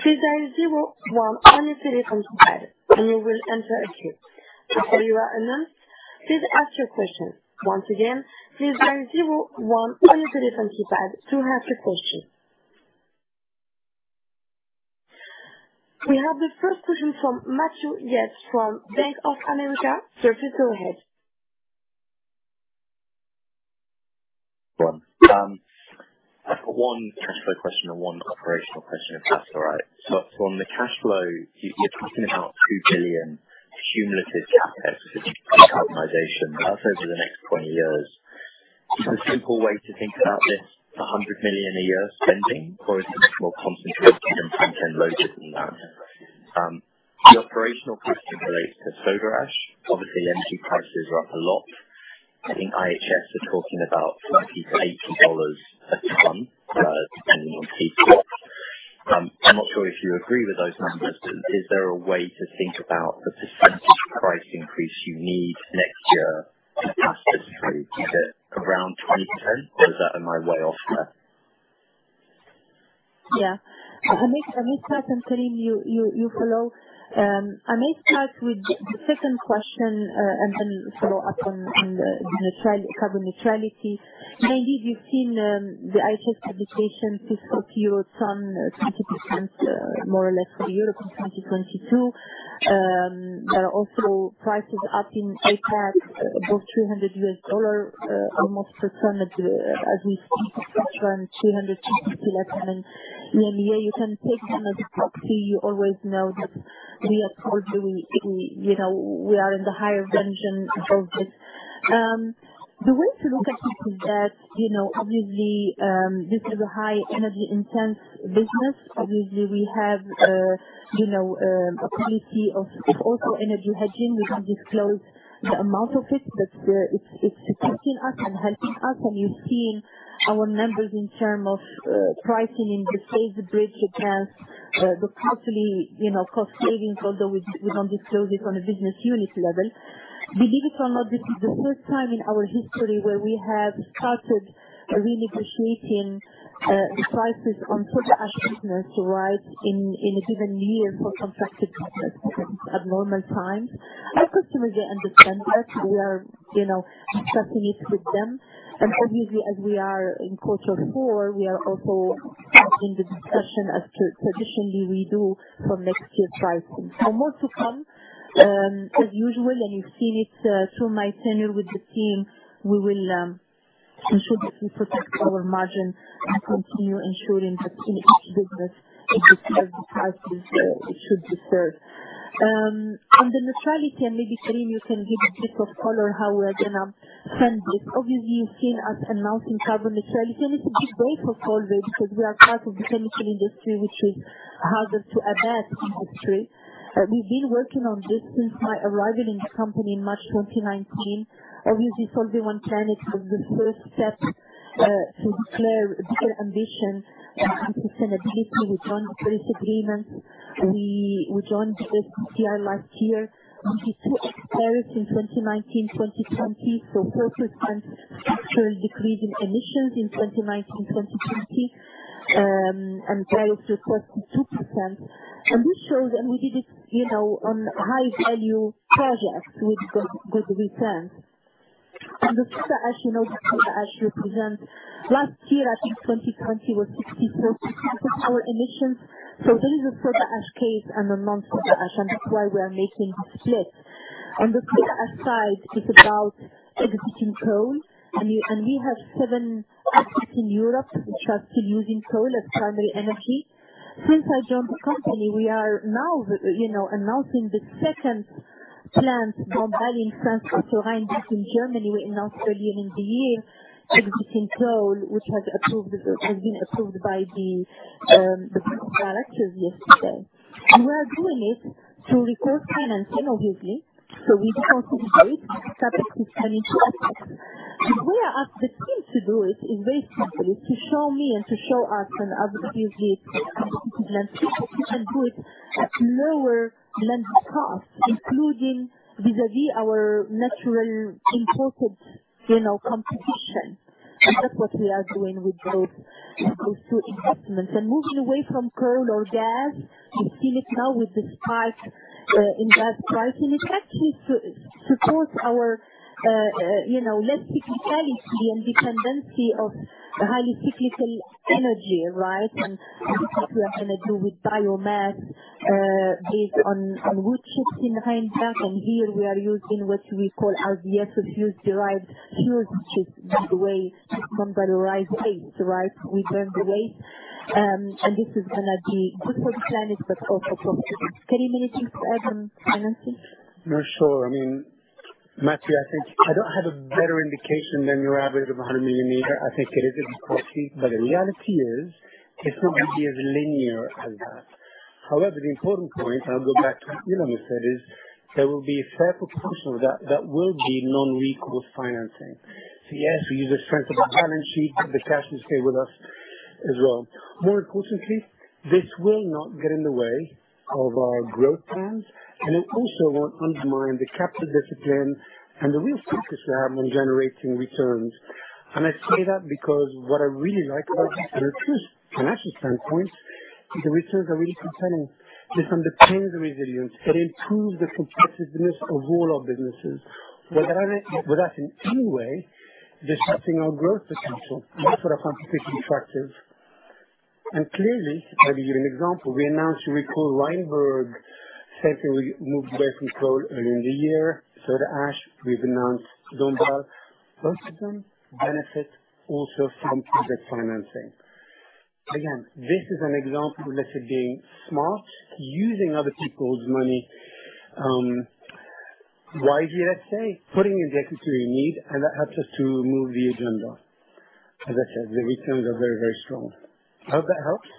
please dial zero one on your telephone keypad, and you will enter a queue. After you are announced, please ask your question. Once again, please dial zero one on your telephone keypad to ask a question. We have the first question from Matthew Yates from Bank of America. Sir, please go ahead. One. I've got one cash flow question and one operational question, if that's all right. From the cash flow, you're talking about 2 billion cumulative CapEx for decarbonization. That's over the next 20 years. Is a simple way to think about this 100 million a year spending, or is it more concentrated and front-end loaded than that? The operational question relates to Soda Ash. Obviously, energy prices are up a lot. I think IHS are talking about $30-$80 a ton, depending on feedstock. I'm not sure if you agree with those numbers, but is there a way to think about the percentage price increase you need next year to pass this through? Is it around 20%, or am I way off there? Yeah. I may start, and Karim, you follow. I may start with the second question, and then follow up on the net-zero carbon neutrality. You may have seen the IHS publication, which spoke to per ton 20%, more or less for Europe in 2022. Also prices up in APAC above EUR 300 a ton, as we speak, it's actually around EUR 250 still at the moment. In EMEA, you can take them as a proxy. You always know that we at Solvay, you know, we are in the higher end of this. The way to look at it is that, you know, obviously, this is a high energy-intensive business. Obviously, we have a policy of also energy hedging. We don't disclose the amount of it, but it's protecting us and helping us. You're seeing our numbers in terms of pricing in the Soda Ash business, the possible cost savings, although we don't disclose it on a business unit level. Believe it or not, this is the first time in our history where we have started renegotiating the prices on Soda Ash business, right? In a given year for contracted business at normal times. Our customers are understanding. We are discussing it with them. Obviously, as we are in quarter four, we are also having the discussion as to the traditional renewal for next year's pricing. More to come, as usual, and you've seen it through my tenure with the team. We will ensure that we protect our margin and continue ensuring that in each business it deserves the prices it should deserve. On the neutrality, and maybe Karim, you can give a bit of color how we're gonna fund it. Obviously, you've seen us announcing carbon neutrality, and it's a big day for Solvay because we are part of the chemical industry, which is harder to abate industry. We've been working on this since my arrival in the company in March 2019. Obviously, Solvay One Planet was the first step to declare a bigger ambition on sustainability. We've signed the Paris Agreement. We joined the SBTi last year. We reduced Scope 1 in 2019-2020 by 4% structural decrease in emissions in 2019-2020. Scope 2, 32%. This shows that we did it, you know, on high value projects with good returns. Soda Ash, you know, Soda Ash represents last year, I think 2020 was 64% of our emissions. There is a Soda Ash case and a non-Soda Ash, and that's why we are making a split. On the Soda Ash side, it's about exiting coal. We have seven sites in Europe which are still using coal as primary energy. Since I joined the company, we are now, you know, announcing the second plant, Dombasle in France, in Germany. We announced earlier in the year exiting coal, which has been approved by the board of directors yesterday. We are doing it through recourse financing, obviously. We don't anticipate CapEx declining sharply. We have asked the team to do it in very simple, is to show me and to show us and obviously, we can do it at lower than the cost, including vis-à-vis our natural imported, you know, competition. That's what we are doing with those two investments. Moving away from coal or gas, you see it now with the spike in gas prices. In effect, it supports our, you know, let's be frank, the independence from highly cyclical energy, right? This is what we're gonna do with biomass based on wood chips in Rheinberg. Here we are using what we call RDF, refuse-derived fuels, which is, by the way, from the rice waste, right? We burn the waste. This is gonna be good for the planet, but also profitable. Karim, anything to add on financing? No, sure. I mean, Matthew, I think I don't have a better indication than your average of 100 million a year. I think it is approximately. But the reality is, it's not gonna be as linear as that. However, the important point, I'll go back to what Ilham has said, is there will be a fair proportion of that that will be non-recourse financing. So yes, we use the strength of our balance sheet, but the cash will stay with us as well. More importantly, this will not get in the way of our growth plans, and it also won't undermine the capital discipline and the real success we have on generating returns. I say that because what I really like about this from a true financial standpoint is the returns are really compelling. This underpins the resilience. It improves the competitiveness of all our businesses without in any way disrupting our growth potential. That's what I find particularly attractive. Clearly, let me give you an example. We announced recall Rheinberg saying we moved away from coal earlier in the year. Soda Ash, we've announced Dombasle. Both of them benefit also from project financing. Again, this is an example of let's say being smart, using other people's money wisely, let's say. Putting in the equity we need, and that helps us to move the agenda. As I said, the returns are very, very strong. Hope that helps.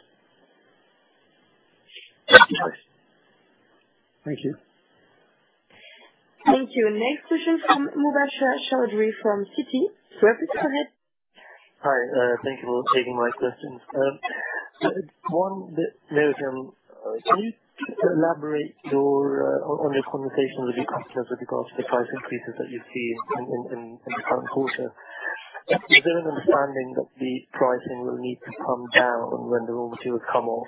Yes. Thank you. Thank you. Next question from Mubasher Chaudhry from Citi. Mubasher, go ahead. Hi. Thank you for taking my questions. One, Ilham, can you elaborate on your conversations with your customers with regards to the price increases that you're seeing in the current quarter? Is there an understanding that the pricing will need to come down when the volatility will come off,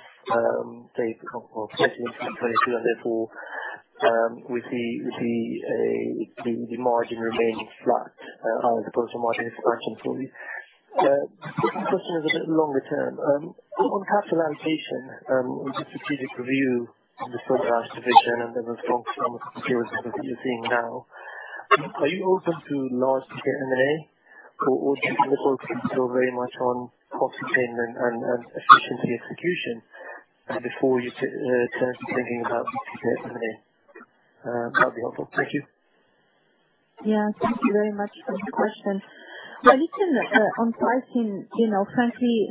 say, for the quarter of 2022 and therefore, we see the margin remaining flat, as opposed to margin expansion for you? Second question is a bit longer term. On capital allocation, with the strategic review of the Soda Ash division and the strong performance that you're seeing now, are you open to large scale M&A or keeping the focus still very much on cost containment and efficiency execution, before you turn to thinking about M&A? That'd be helpful. Thank you. Yeah, thank you very much for the question. Well, listen, on pricing, you know, frankly,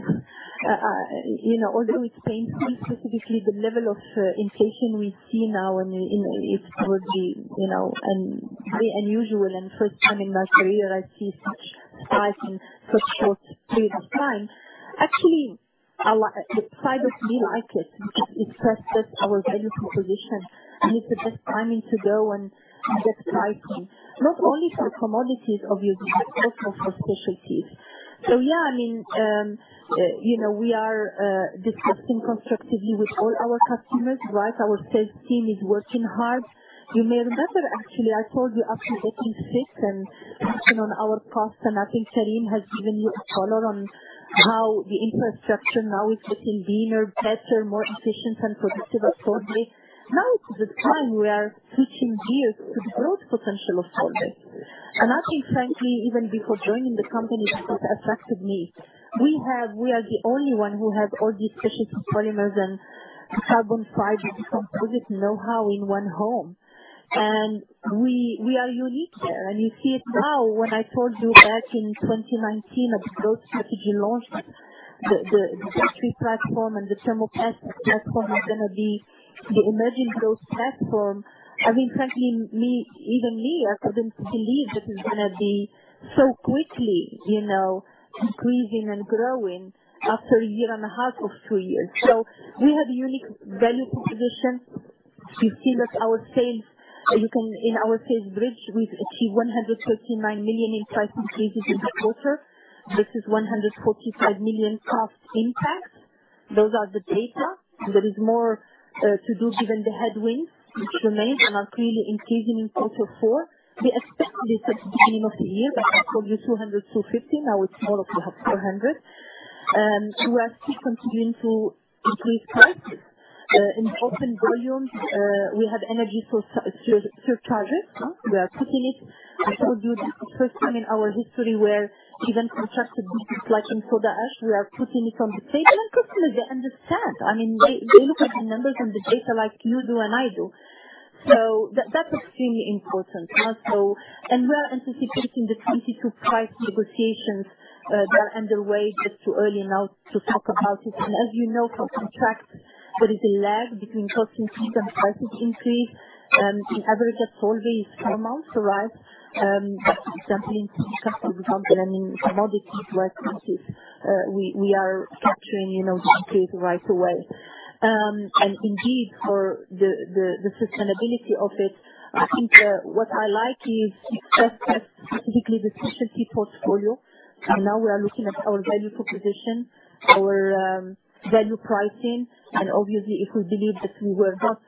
you know, although it's painful specifically the level of inflation we see now and, you know, it would be, you know, very unusual and first time in my career I see such pricing such short period of time. Actually, part of me likes it. It's just our value proposition, and it's the best timing to go and get pricing. Not only for commodities, obviously, but also for specialties. Yeah, I mean, you know, we are discussing constructively with all our customers, right? Our sales team is working hard. You may remember, actually, I told you after 186, and working on our costs, and I think Karim has given you a color on how the infrastructure now is getting leaner, better, more efficient and productive at Solvay. Now is the time we are switching gears to the growth potential of Solvay. I think frankly, even before joining the company, that's what attracted me. We are the only one who has all these Specialty Polymers and carbon fiber Composites know-how in one home. We are unique there, and you see it now. When I told you back in 2019 at the growth strategy launch, the GBU platform and the Thermoplastic platform is gonna be the emerging growth platform. I mean, frankly me, even me, I couldn't believe that it's gonna be so quickly, you know, increasing and growing after a year and a half or two years. We have unique value proposition. You see that our sales in our sales bridge, we've achieved 139 million in price increases in the quarter versus 145 million cost impact. Those are the data. There is more to do given the headwinds, which remain and are clearly increasing in quarter four. We expect this at the end of the year, but I told you 200 million-250 million, now it's more up to 400 million. We are still continuing to increase prices. In open volumes, we have energy surcharges. We are putting it. I told you this is the first time in our history where even contracted business like in Soda Ash, we are putting it on the table. Customers, they understand. I mean, they look at the numbers and the data like you do and I do. That, that's extremely important. We are anticipating the 2022 price negotiations, they are underway. It's too early now to talk about it. As you know, for contracts, there is a lag between cost increase and price increase. On average, at Solvay, it's three months, right? But for some customers, for example, I mean, commodities where prices we are capturing, you know, increase right away. Indeed for the sustainability of it, I think what I like is it's just specifically the specialty portfolio. Now we are looking at our value proposition, our value pricing, and obviously if we believe that we were not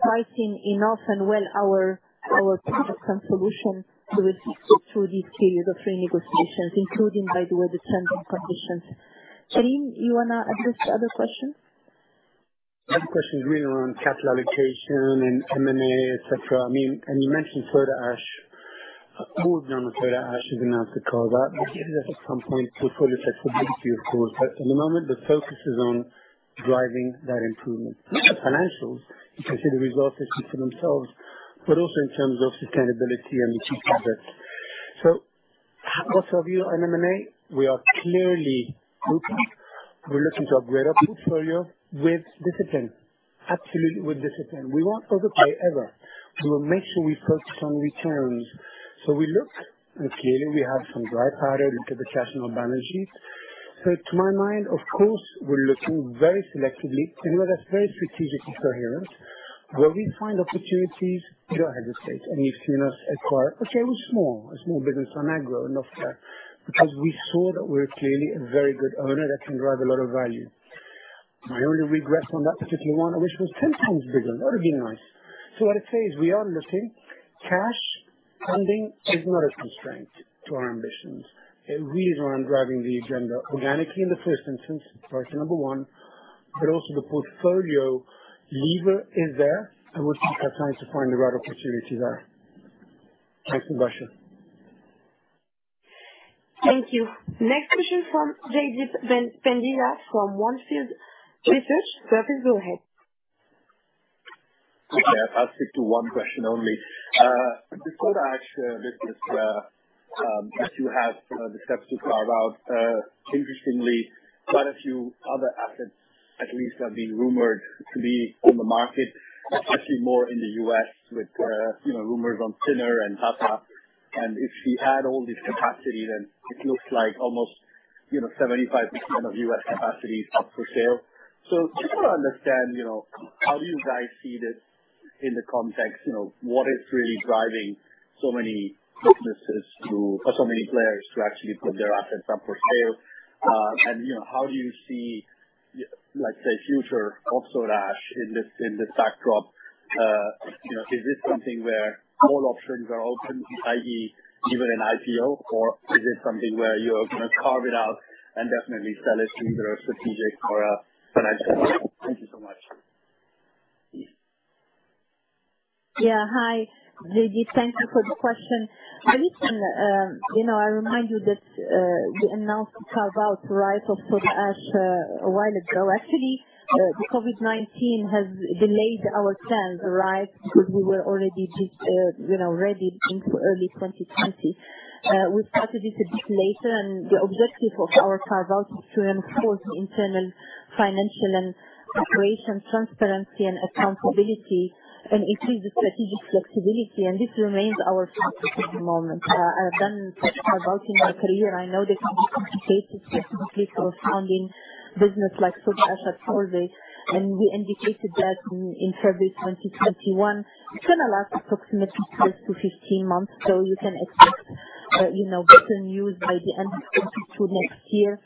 pricing enough and well our products and solutions through these periods of renegotiations, including, by the way, the terms and conditions. Karim, you wanna address the other questions? Other questions really around capital allocation and M&A, et cetera. I mean, and you mentioned Soda Ash. All of them on Soda Ash has announced a carve-out, but maybe that's at some point portfolio flexibility, of course. In the moment the focus is on driving that improvement. The financials, you can see the results speak for themselves, but also in terms of sustainability and the key targets. Most of you on M&A, we are clearly looking. We're looking to upgrade our portfolio with discipline, absolutely with discipline. We won't overpay ever. We will make sure we focus on returns. We look, and clearly we have some dry powder. Look at the cash on our balance sheet. To my mind, of course, we're looking very selectively in where that's very strategically coherent. Where we find opportunities, we don't hesitate. If, you know, acquire. Okay, it was small, a small business on Agro, not bad, because we saw that we're clearly a very good owner that can drive a lot of value. My only regret on that particular one, I wish it was 10x bigger. That would have been nice. What I'd say is we are looking. Cash funding is not a constraint to our ambitions. It really is around driving the agenda organically in the first instance, priority number one, but also the portfolio lever is there, and we'll keep our eyes open to find the right opportunities there. Thanks, Mubasher. Thank you. Next question from Jaideep Pandya from On Field Investment Research. Jaideep, go ahead. Yeah. I'll stick to one question only. The Soda Ash business that you have, the steps to carve out, interestingly, quite a few other assets at least are being rumored to be on the market, actually more in the U.S. with, you know, rumors on Tronox and Tata. And if you add all this capacity, then it looks like almost, you know, 75% of U.S. capacity is up for sale. Just wanna understand, you know, how do you guys see this in the context, you know, what is really driving so many businesses to or so many players to actually put their assets up for sale? And, you know, how do you see, like, say, future of Soda Ash in this, in this backdrop? You know, is this something where all options are open, i.e., even an IPO, or is this something where you're gonna carve it out and definitely sell it either strategic or a financial? Thank you so much. Yeah. Hi, Jaideep. Thank you for the question. You know, I remind you that we announced the carve-out, right, of Soda Ash a while ago. Actually, the COVID-19 has delayed our plans, right? Because we were already just, you know, ready in early 2020. We started this a bit later and the objective of our carve-out is to enforce the internal financial and operational transparency and accountability and increase the strategic flexibility, and this remains our focus at the moment. I've done carve-out in my career. I know they can be complicated, specifically for a founding business like Solvay, and we indicated that in February 2021. It's gonna last approximately 12-15 months. You can expect, you know, better news by the end of 2022 next year.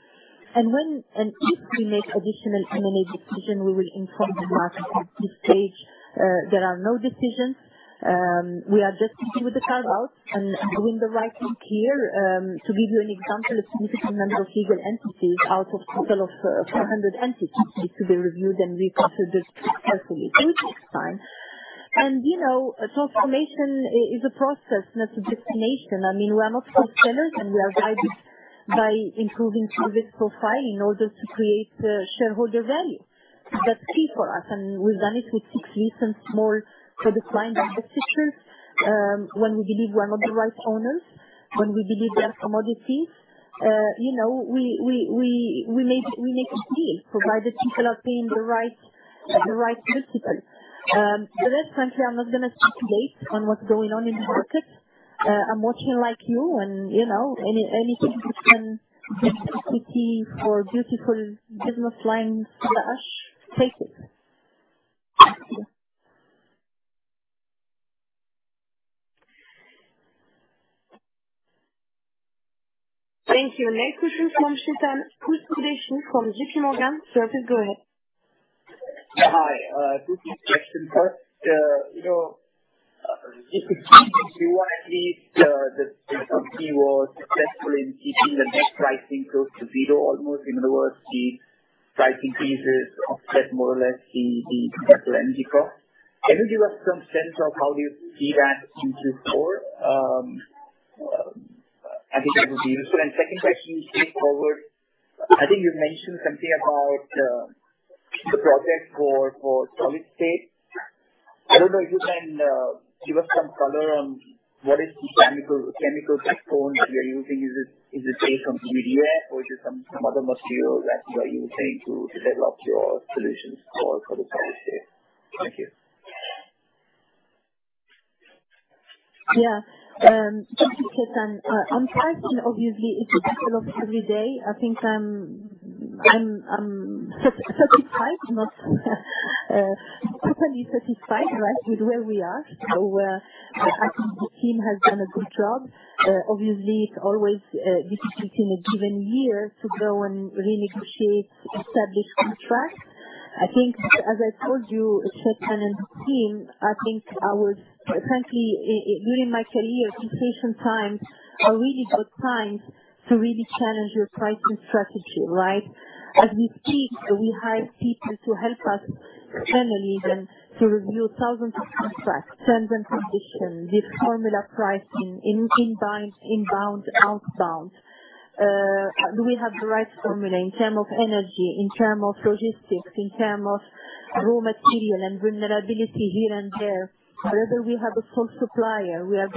When and if we make additional M&A decision, we will inform the market. At this stage, there are no decisions. We are just dealing with the carve-out and doing the right thing here. To give you an example, a significant number of legal entities out of total of 400 entities need to be reviewed, and we proceeded carefully through this time. You know, a transformation is a process, not a destination. I mean, we are not top sellers, and we are guided by improving service profile in order to create shareholder value. That's key for us, and we've done it with 60% more for the client than the peers. When we believe we are not the right owners, when we believe they are commodity, you know, we make a deal, provided people are paying the right multiples. Look, frankly, I'm not gonna speculate on what's going on in the market. I'm watching like you and, you know, anything you can get quickly for beautiful business line soda ash, take it. Thank you. Thank you. Next question from Chetan Udeshi from JPMorgan. Sir, please go ahead. Hi, two quick questions. First, you know, if you see this Q1 at least, the company was successful in keeping the net pricing close to zero almost. In other words, the pricing increases offset more or less the higher energy cost. Can you give us some sense of how you see that going forward? I think that would be useful. Second question is forward. I think you mentioned something about the project for solid-state. I don't know if you can give us some color on what is the chemical backbone that you're using. Is it based on PVDF or is it some other material that you are using to develop your solutions for the solid-state? Thank you. Yeah. Thank you, Chetan. On pricing, obviously it develops every day. I think I'm satisfied, not totally satisfied, right, with where we are. I think the team has done a good job. Obviously it's always difficult in a given year to go and renegotiate established contracts. I think, as I told you, Chetan, and the team, I think I was frankly during my career, inflation times are really good times to really challenge your pricing strategy, right? As we speak, we hire people to help us internally then to review thousands of contracts, terms, and conditions, this formula pricing in, inbounds, outbounds. Do we have the right formula in terms of energy, in terms of logistics, in terms of raw material and vulnerability here and there. Whether we have a sole supplier, we are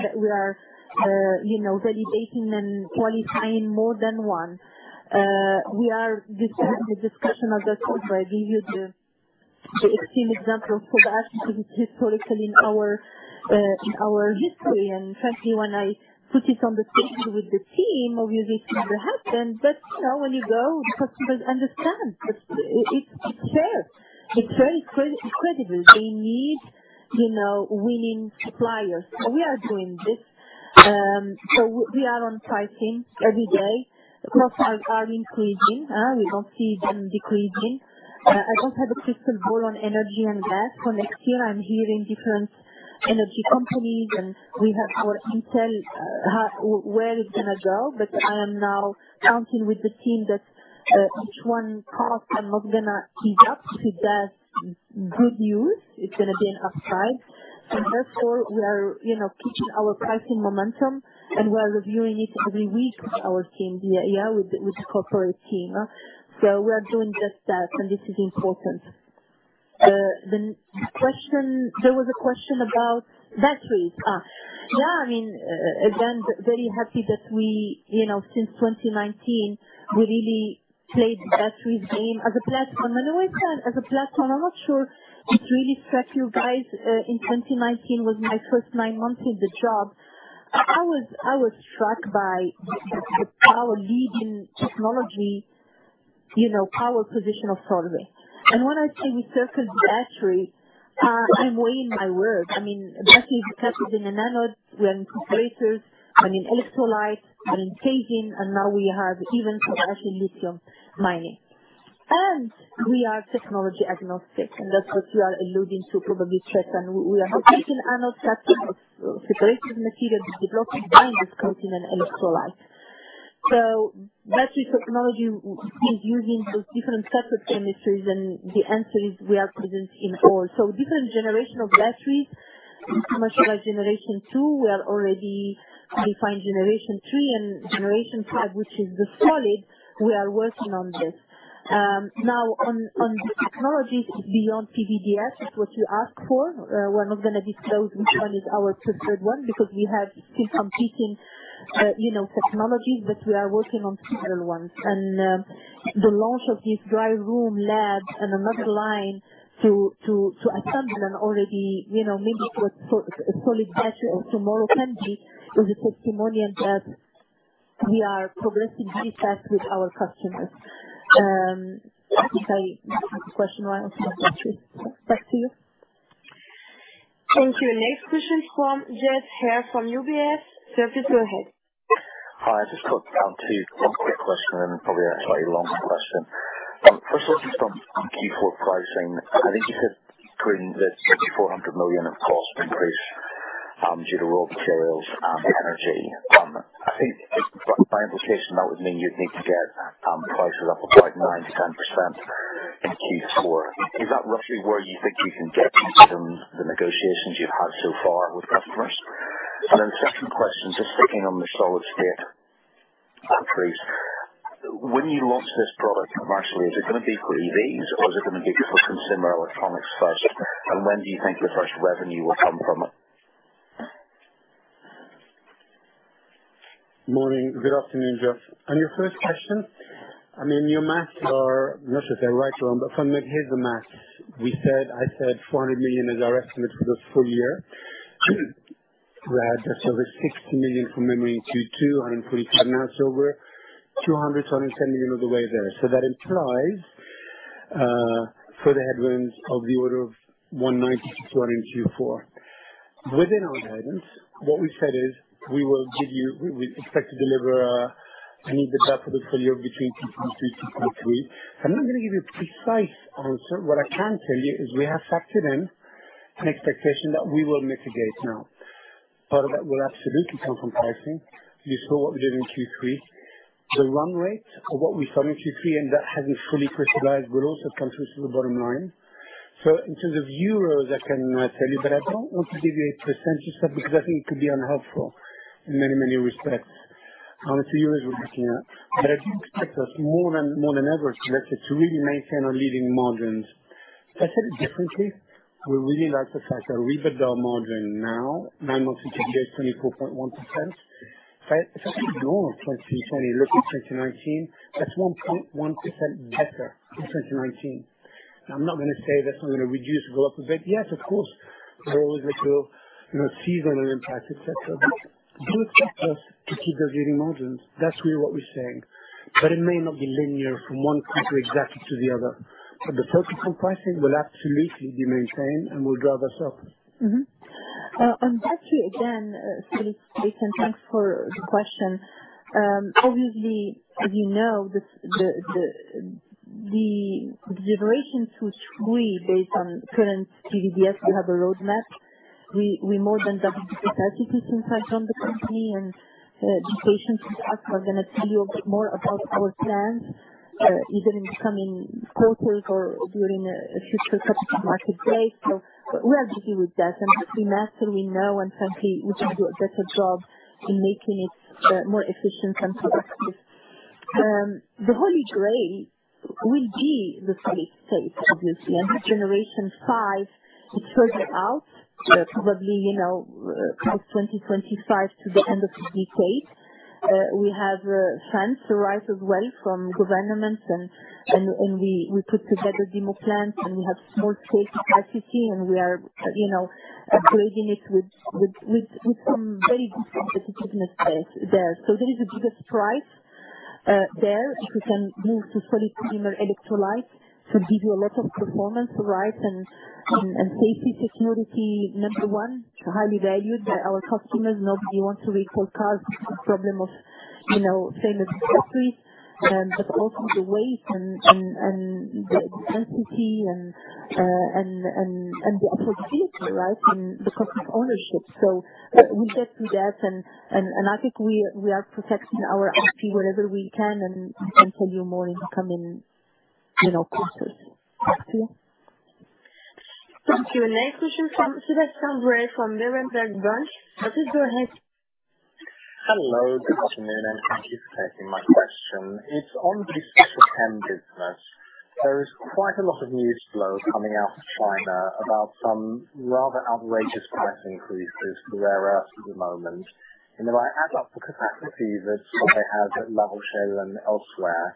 validating and qualifying more than one. We are discussing that sort. I give you the extreme example of Solvay historically in our history. Frankly, when I put it on the table with the team, obviously things happen. When you go, the customers understand, but it's fair. It's very credible. They need winning suppliers. We are doing this. We are on pricing every day. The costs are increasing. We don't see them decreasing. I don't have a crystal ball on energy and gas for next year. I'm hearing different energy companies, and we have our intel how where it's gonna go. I am now counting with the team that each one cost. I'm not gonna keep up. If it does good news, it's gonna be an upside. Therefore we are keeping our pricing momentum, and we are reviewing it every week with our team with the corporate team. We are doing just that, and this is important. Then the question about batteries. Again, very happy that we, you know, since 2019, we really played the batteries game as a platform. The way, Chetan, as a platform, I'm not sure what really struck you guys in 2019, was my first nine months in the job. I was struck by the power leading technology, you know, power position of Solvay. When I say we circled the battery, I'm weighing my words. I mean, battery is captured in the anode. We are in separators. We're in electrolyte. We're in casing. Now we have even Solvay lithium mining. We are technology agnostic, and that's what you are alluding to probably, Chetan. We are making anode captive, separator material is developed, and it's coating an electrolyte. Battery technology is using those different types of chemistries, and the answer is we are present in all. Different generation of batteries, we're talking about generation two. We are already defining generation three and generation five, which is the solid. We are working on this. Now on the technologies beyond PVDF, it's what you asked for. We're not gonna disclose which one is our preferred one because we have still competing, you know, technologies, but we are working on several ones. The launch of these dry room labs and another line to assemble and already, you know, maybe what solid-state of tomorrow can be, is a testimonial that we are progressing very fast with our customers. I think I answered the question while I answered my question. Back to you. Thank you. Next question from Geoff Haire from UBS. Geoff, go ahead. Hi, I just got down to one quick question and probably, actually a long question. First looking from Q4 pricing, I think you said between 30 million-400 million of cost increase due to raw materials and energy. I think by implication that would mean you'd need to get prices up by 9%-10% in Q4. Is that roughly where you think you can get from the negotiations you've had so far with customers? And then the second question, just sticking on the solid-state batteries. When you launch this product commercially, is it gonna be for EVs or is it gonna be for consumer electronics first? And when do you think the first revenue will come from it? Morning. Good afternoon, Geoff. On your first question, I mean, your maths are not that they're right or wrong, but here's the maths. We said, I said 400 million is our estimate for this full year. We had just over 60 million from memory in Q2, 145 million now, so we're 210 million of the way there. That implies further headwinds of the order of 190 million-200 million in Q4. Within our guidance, what we said is we will give you. We expect to deliver EBITDA for the full year between 2.2 billion-2.3 billion. I'm not gonna give you a precise answer. What I can tell you is we have factored in an expectation that we will mitigate now. Part of that will absolutely come from pricing. You saw what we did in Q3. The run rate of what we saw in Q3 and that hasn't fully crystallized will also come through to the bottom line. In terms of euros, I can tell you, but I don't want to give you a percentage because I think it could be unhelpful in many respects. You guys were looking at. I do expect us more than ever to really maintain our leading margins. I said it differently. We really like the fact our EBITDA margin now, nine months to today is 24.1%. If I ignore 2020, look at 2019, that's 1.1% better than 2019. I'm not gonna say that's not gonna reduce the level, but yes, of course, there are always little, you know, seasonal impacts, et cetera. Do expect us to keep those leading margins. That's really what we're saying. It may not be linear from one quarter exactly to the other. The focus on pricing will absolutely be maintained and will drive us up. Actually again, so to speak, and thanks for the question. Obviously as you know, the generations are truly based on current PVDF, we have a roadmap. We more than double the capacity since I joined the company and be patient with us. We're gonna tell you a bit more about our plans, either in the coming quarters or during a future Capital Market Day. We're happy with that. As we master, we know and frankly, we can do a better job in making it more efficient and productive. The holy grail will be the solid-state obviously. With generation five, it's further out, probably, you know, post 2025 to the end of the decade. We have trends arise as well from governments and we put together demo plants and we have small scale FPC and we are, you know, upgrading it with some very different competitiveness there. There is a bigger prize there if we can move to solid-state electrolytes to give you a lot of performance, right, and safety technology, number one, highly valued by our customers. Nobody wants to recall cars because of the problem of, you know, famous fire, but also the weight and energy density and the affordability, right, and the cost of ownership. We get to that and I think we are protecting our IP wherever we can, and I can tell you more in the coming, you know, quarters. Back to you. Thank you. Next question from Sebastian Bray from Berenberg Bank. Sebastian, go ahead. Hello, good afternoon, and thank you for taking my question. It's on the Rare Earths business. There is quite a lot of news flow coming out of China about some rather outrageous price increases there as of the moment. If I add up the capacity that they have at La Rochelle and elsewhere,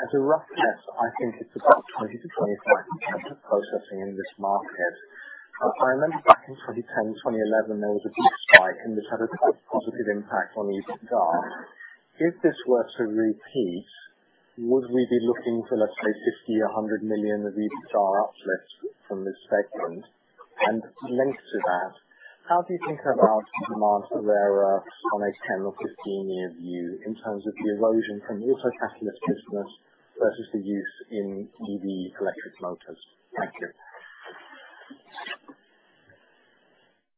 as a rough guess, I think it's about 20%-25% of processing in this market. I remember back in 2010, 2011, there was a big spike and this had a quite positive impact on EBITDA. If this were to repeat, would we be looking for, let's say, 50 million-100 million of EBITDA uplifts from this segment? Linked to that, how do you think about demand for rare earths on a 10- or 15-year view in terms of the erosion from the autocatalyst business versus the use in EV electric motors? Thank you.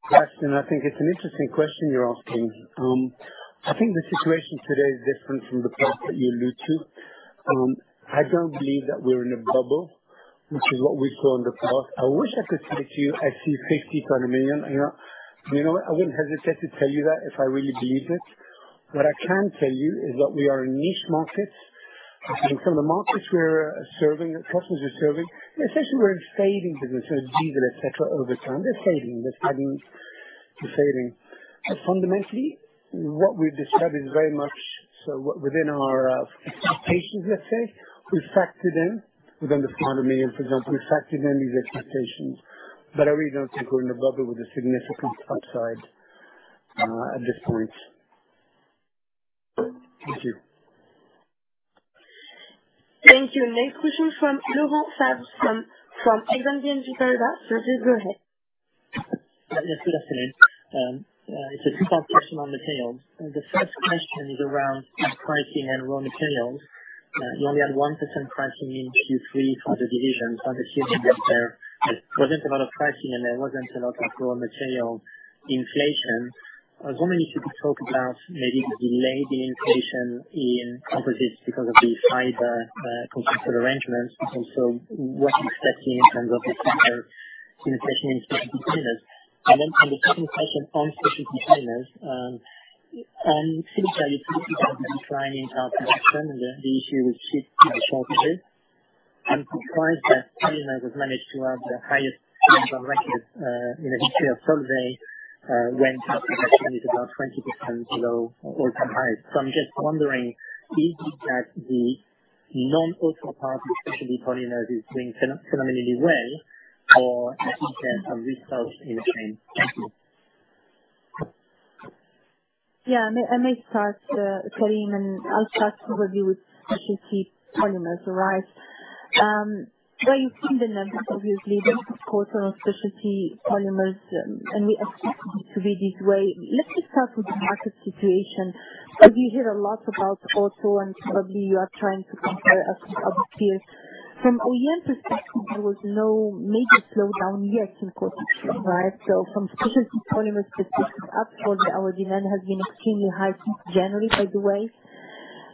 Thanks. I think it's an interesting question you're asking. I think the situation today is different from the past that you allude to. I don't believe that we're in a bubble, which is what we saw in the past. I wish I could tell you I see 50 million to 100 million, you know. You know what, I wouldn't hesitate to tell you that if I really believed it. What I can tell you is that we are a niche market. In some of the markets we're serving, customers are serving, essentially we're a fading business with diesel, et cetera, over time. They're fading. But fundamentally, what we've described is very much so within our expectations, let's say, we've factored in within the economy, and for example, we've factored in these expectations. I really don't think we're in a bubble with a significant upside at this point. Thank you. Thank you. Next question from Laurent Favre from Exane BNP Paribas. Sir, go ahead. Yes, good afternoon. It's a two-part question on materials. The first question is around pricing and raw materials. You only had 1% pricing in Q3 for the division. I'm assuming that there wasn't a lot of pricing, and there wasn't a lot of raw material inflation. I was wondering if you could talk about maybe the delayed inflation in Composites because of the fiber contractual arrangements, and also what you're expecting in terms of the fiber inflation in Specialty Polymers. For the second question on Specialty Polymers, on Silica, you previously had a declining car production. The issue with chip shortages. I'm surprised that polymers have managed to have the highest earnings on record in the history of Solvay when car production is about 20% below all-time highs. I'm just wondering, is it that the non-auto part of Specialty Polymers is doing phenomenally well, or is there some risk of inflation? Thank you. Yeah. I may start, Karim, and I'll start probably with Specialty Polymers, right? You've seen the numbers, obviously. This is quarter on Specialty Polymers, and we expect it to be this way. Let's just start with the market situation. We hear a lot about auto and probably you are trying to compare us with other peers. From OEM perspective, there was no major slowdown yet in quarter three, right? From Specialty Polymers perspective, actually our demand has been extremely high since January, by the way.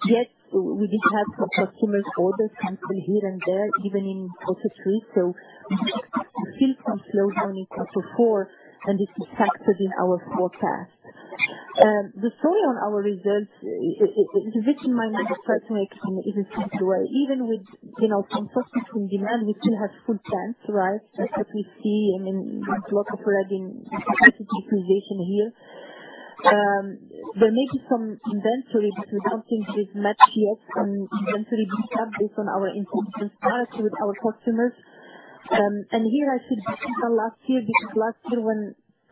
Yes, we did have some customers' orders cancel here and there, even in quarter three, so we still see a slowdown in quarter four, and this is factored in our forecast. The story on our results, it is a bit in my mind, personal, if you think through it. Even with, you know, some softness from demand, we still have full plants, right? That's what we see. I mean, full operating capacity utilization here. There may be some inventory, but we don't think there's much yet. Inventory built up based on our intentions to start with our customers. Here I should be clear from last year, because last year when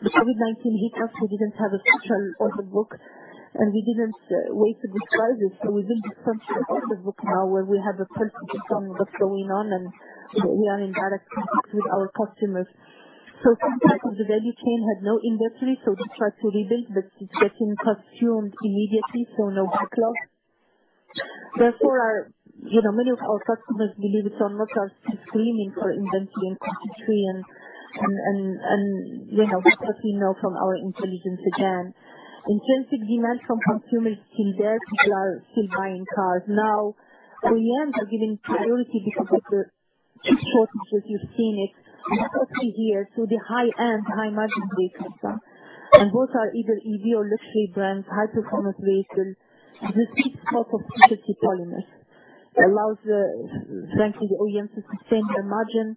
the COVID-19 hit us, we didn't have a picture of the book, and we didn't wait to price it. We're doing some of the book now, where we have a perspective on what's going on, and we are in better touch with our customers. Some part of the value chain had no inventory, so they tried to rebuild, but it's getting consumed immediately, so no backlog. Therefore, you know, many of our customers believe it or not, are still screaming for inventory in quarter three and, you know, that's what we know from our intelligence again. Intense demand from consumers is still there. People are still buying cars. Now, OEMs are giving priority because of the chip shortages. You've seen it for two or three years. The high-end, high-margin vehicles, and those are either EV or luxury brands, high-performance vehicles. The sweet spot of Specialty Polymers allows, frankly, the OEMs to sustain their margin.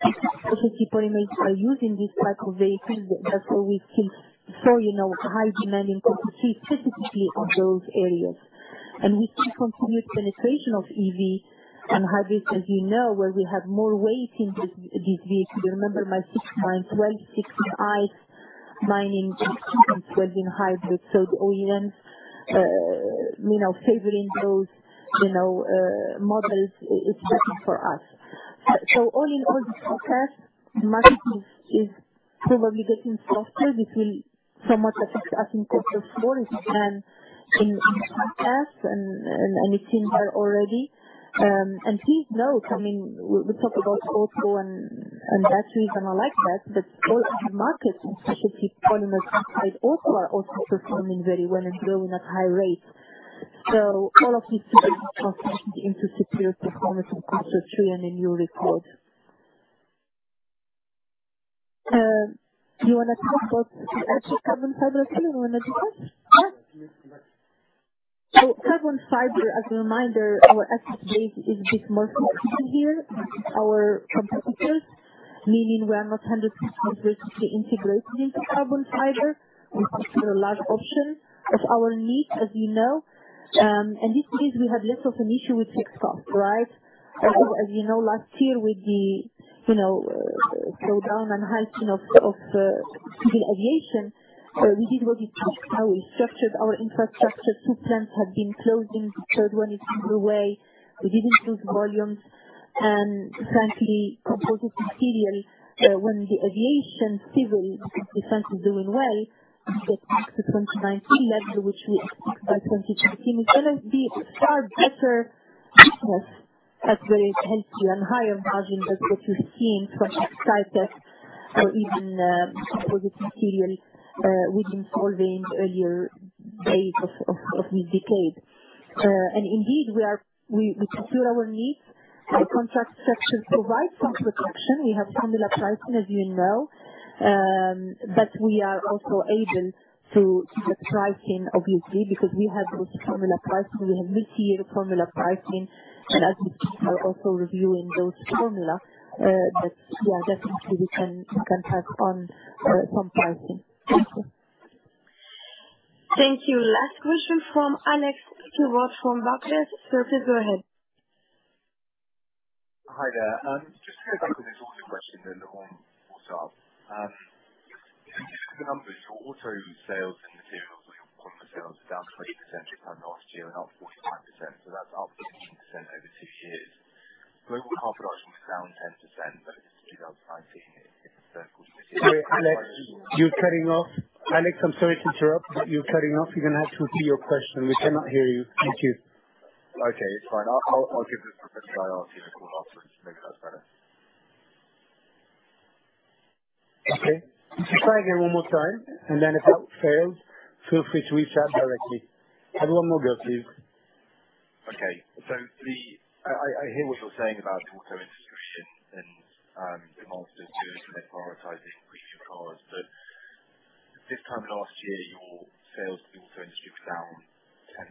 Specialty Polymers are used in these types of vehicles, therefore we see, you know, high demand in quarter three, specifically on those areas. We see continued penetration of EV and hybrids, as you know, where we have more weight in these vehicles. Remember my six, nine, 12. Six in ICEs, nine in electric and 12 in hybrids. The OEMs, you know, favoring those, you know, models is working for us. All in all, the forecast, the market is probably getting softer. We feel somewhat affects us in quarter four and in forecast and it's in here already. Please note, I mean, we talk about auto and batteries and all like that, but all other markets on Specialty Polymers side also are performing very well and growing at high rates. All of these feed into superior performance in quarter three and a new record. Do you wanna talk about the actual carbon fiber, Karim? You wanna do that? Yes, please. Carbon fiber, as a reminder, our exposure is a bit more significant here than our competitors. Meaning we are not 100% vertically integrated into carbon fiber. We secure a large portion of our needs, as you know. This means we have less of an issue with fixed costs, right? As you know, last year with the slowdown and halting of civil aviation, we did what we could. How we structured our infrastructure, two plants have been closing. Third one is on the way. We didn't lose volumes. Frankly, composite materials, when the aviation, civil aviation is doing well, getting back to 2019 levels, which we expect by 2023, it's gonna be far better business. That's very healthy and higher margin than what we've seen from ex-Cytec or even composite materials within Solvay in the earlier days of this decade. Indeed we secure our needs. The contract section provides some protection. We have formula pricing, as you know. We are also able to do the pricing obviously, because we have those formula pricing, we have multi-year formula pricing as we have people also reviewing those formula, yeah, definitely we can tack on some pricing. Thank you. Thank you. Last question from Alex Sloane from Barclays. Sir, please go ahead. Hi there. Just to go back to the auto question on auto. If you look at the numbers, your auto sales and materials for your auto sales are down 20% this time last year and up 45%, so that's up 15% over two years. Global car production is down 10%, but it's 2019. Alex, I'm sorry to interrupt, but you're cutting off. You're gonna have to repeat your question. We cannot hear you. Thank you. Okay, it's fine. I'll give this a quick try. I'll see you a couple after and see if that's better. Okay. Just try again one more time, and then if that fails, feel free to reach out directly. Have one more go, please. Okay. I hear what you're saying about auto industry shifts and the margins doing from their prioritizing premium cars. This time last year, your sales to the auto industry was down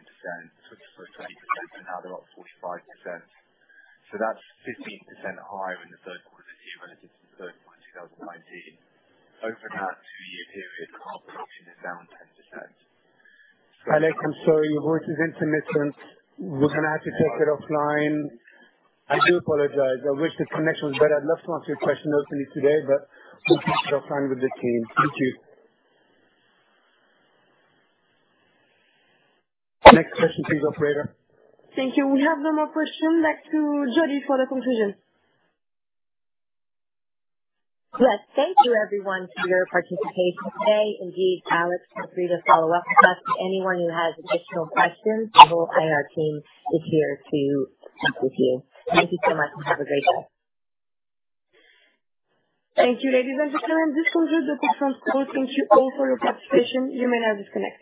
10%, so it's down 20%, but now they're up 45%. That's 15% higher in the third quarter this year relative to third quarter 2019. Over that two-year period, car production is down 10%. Alex, I'm sorry, your voice is intermittent. We're gonna have to take it offline. I do apologize. I wish the connection was better. I'd love to answer your question openly today, but we'll take it offline with the team. Thank you. Next question please, operator. Thank you. We have no more question. Back to Jodi for the conclusion. Yes. Thank you everyone for your participation today. Indeed, Alex, feel free to follow up with us. Anyone who has additional questions, the whole IR team is here to help you. Thank you so much and have a great day. Thank you, ladies and gentlemen. This concludes the conference call. Thank you all for your participation. You may now disconnect.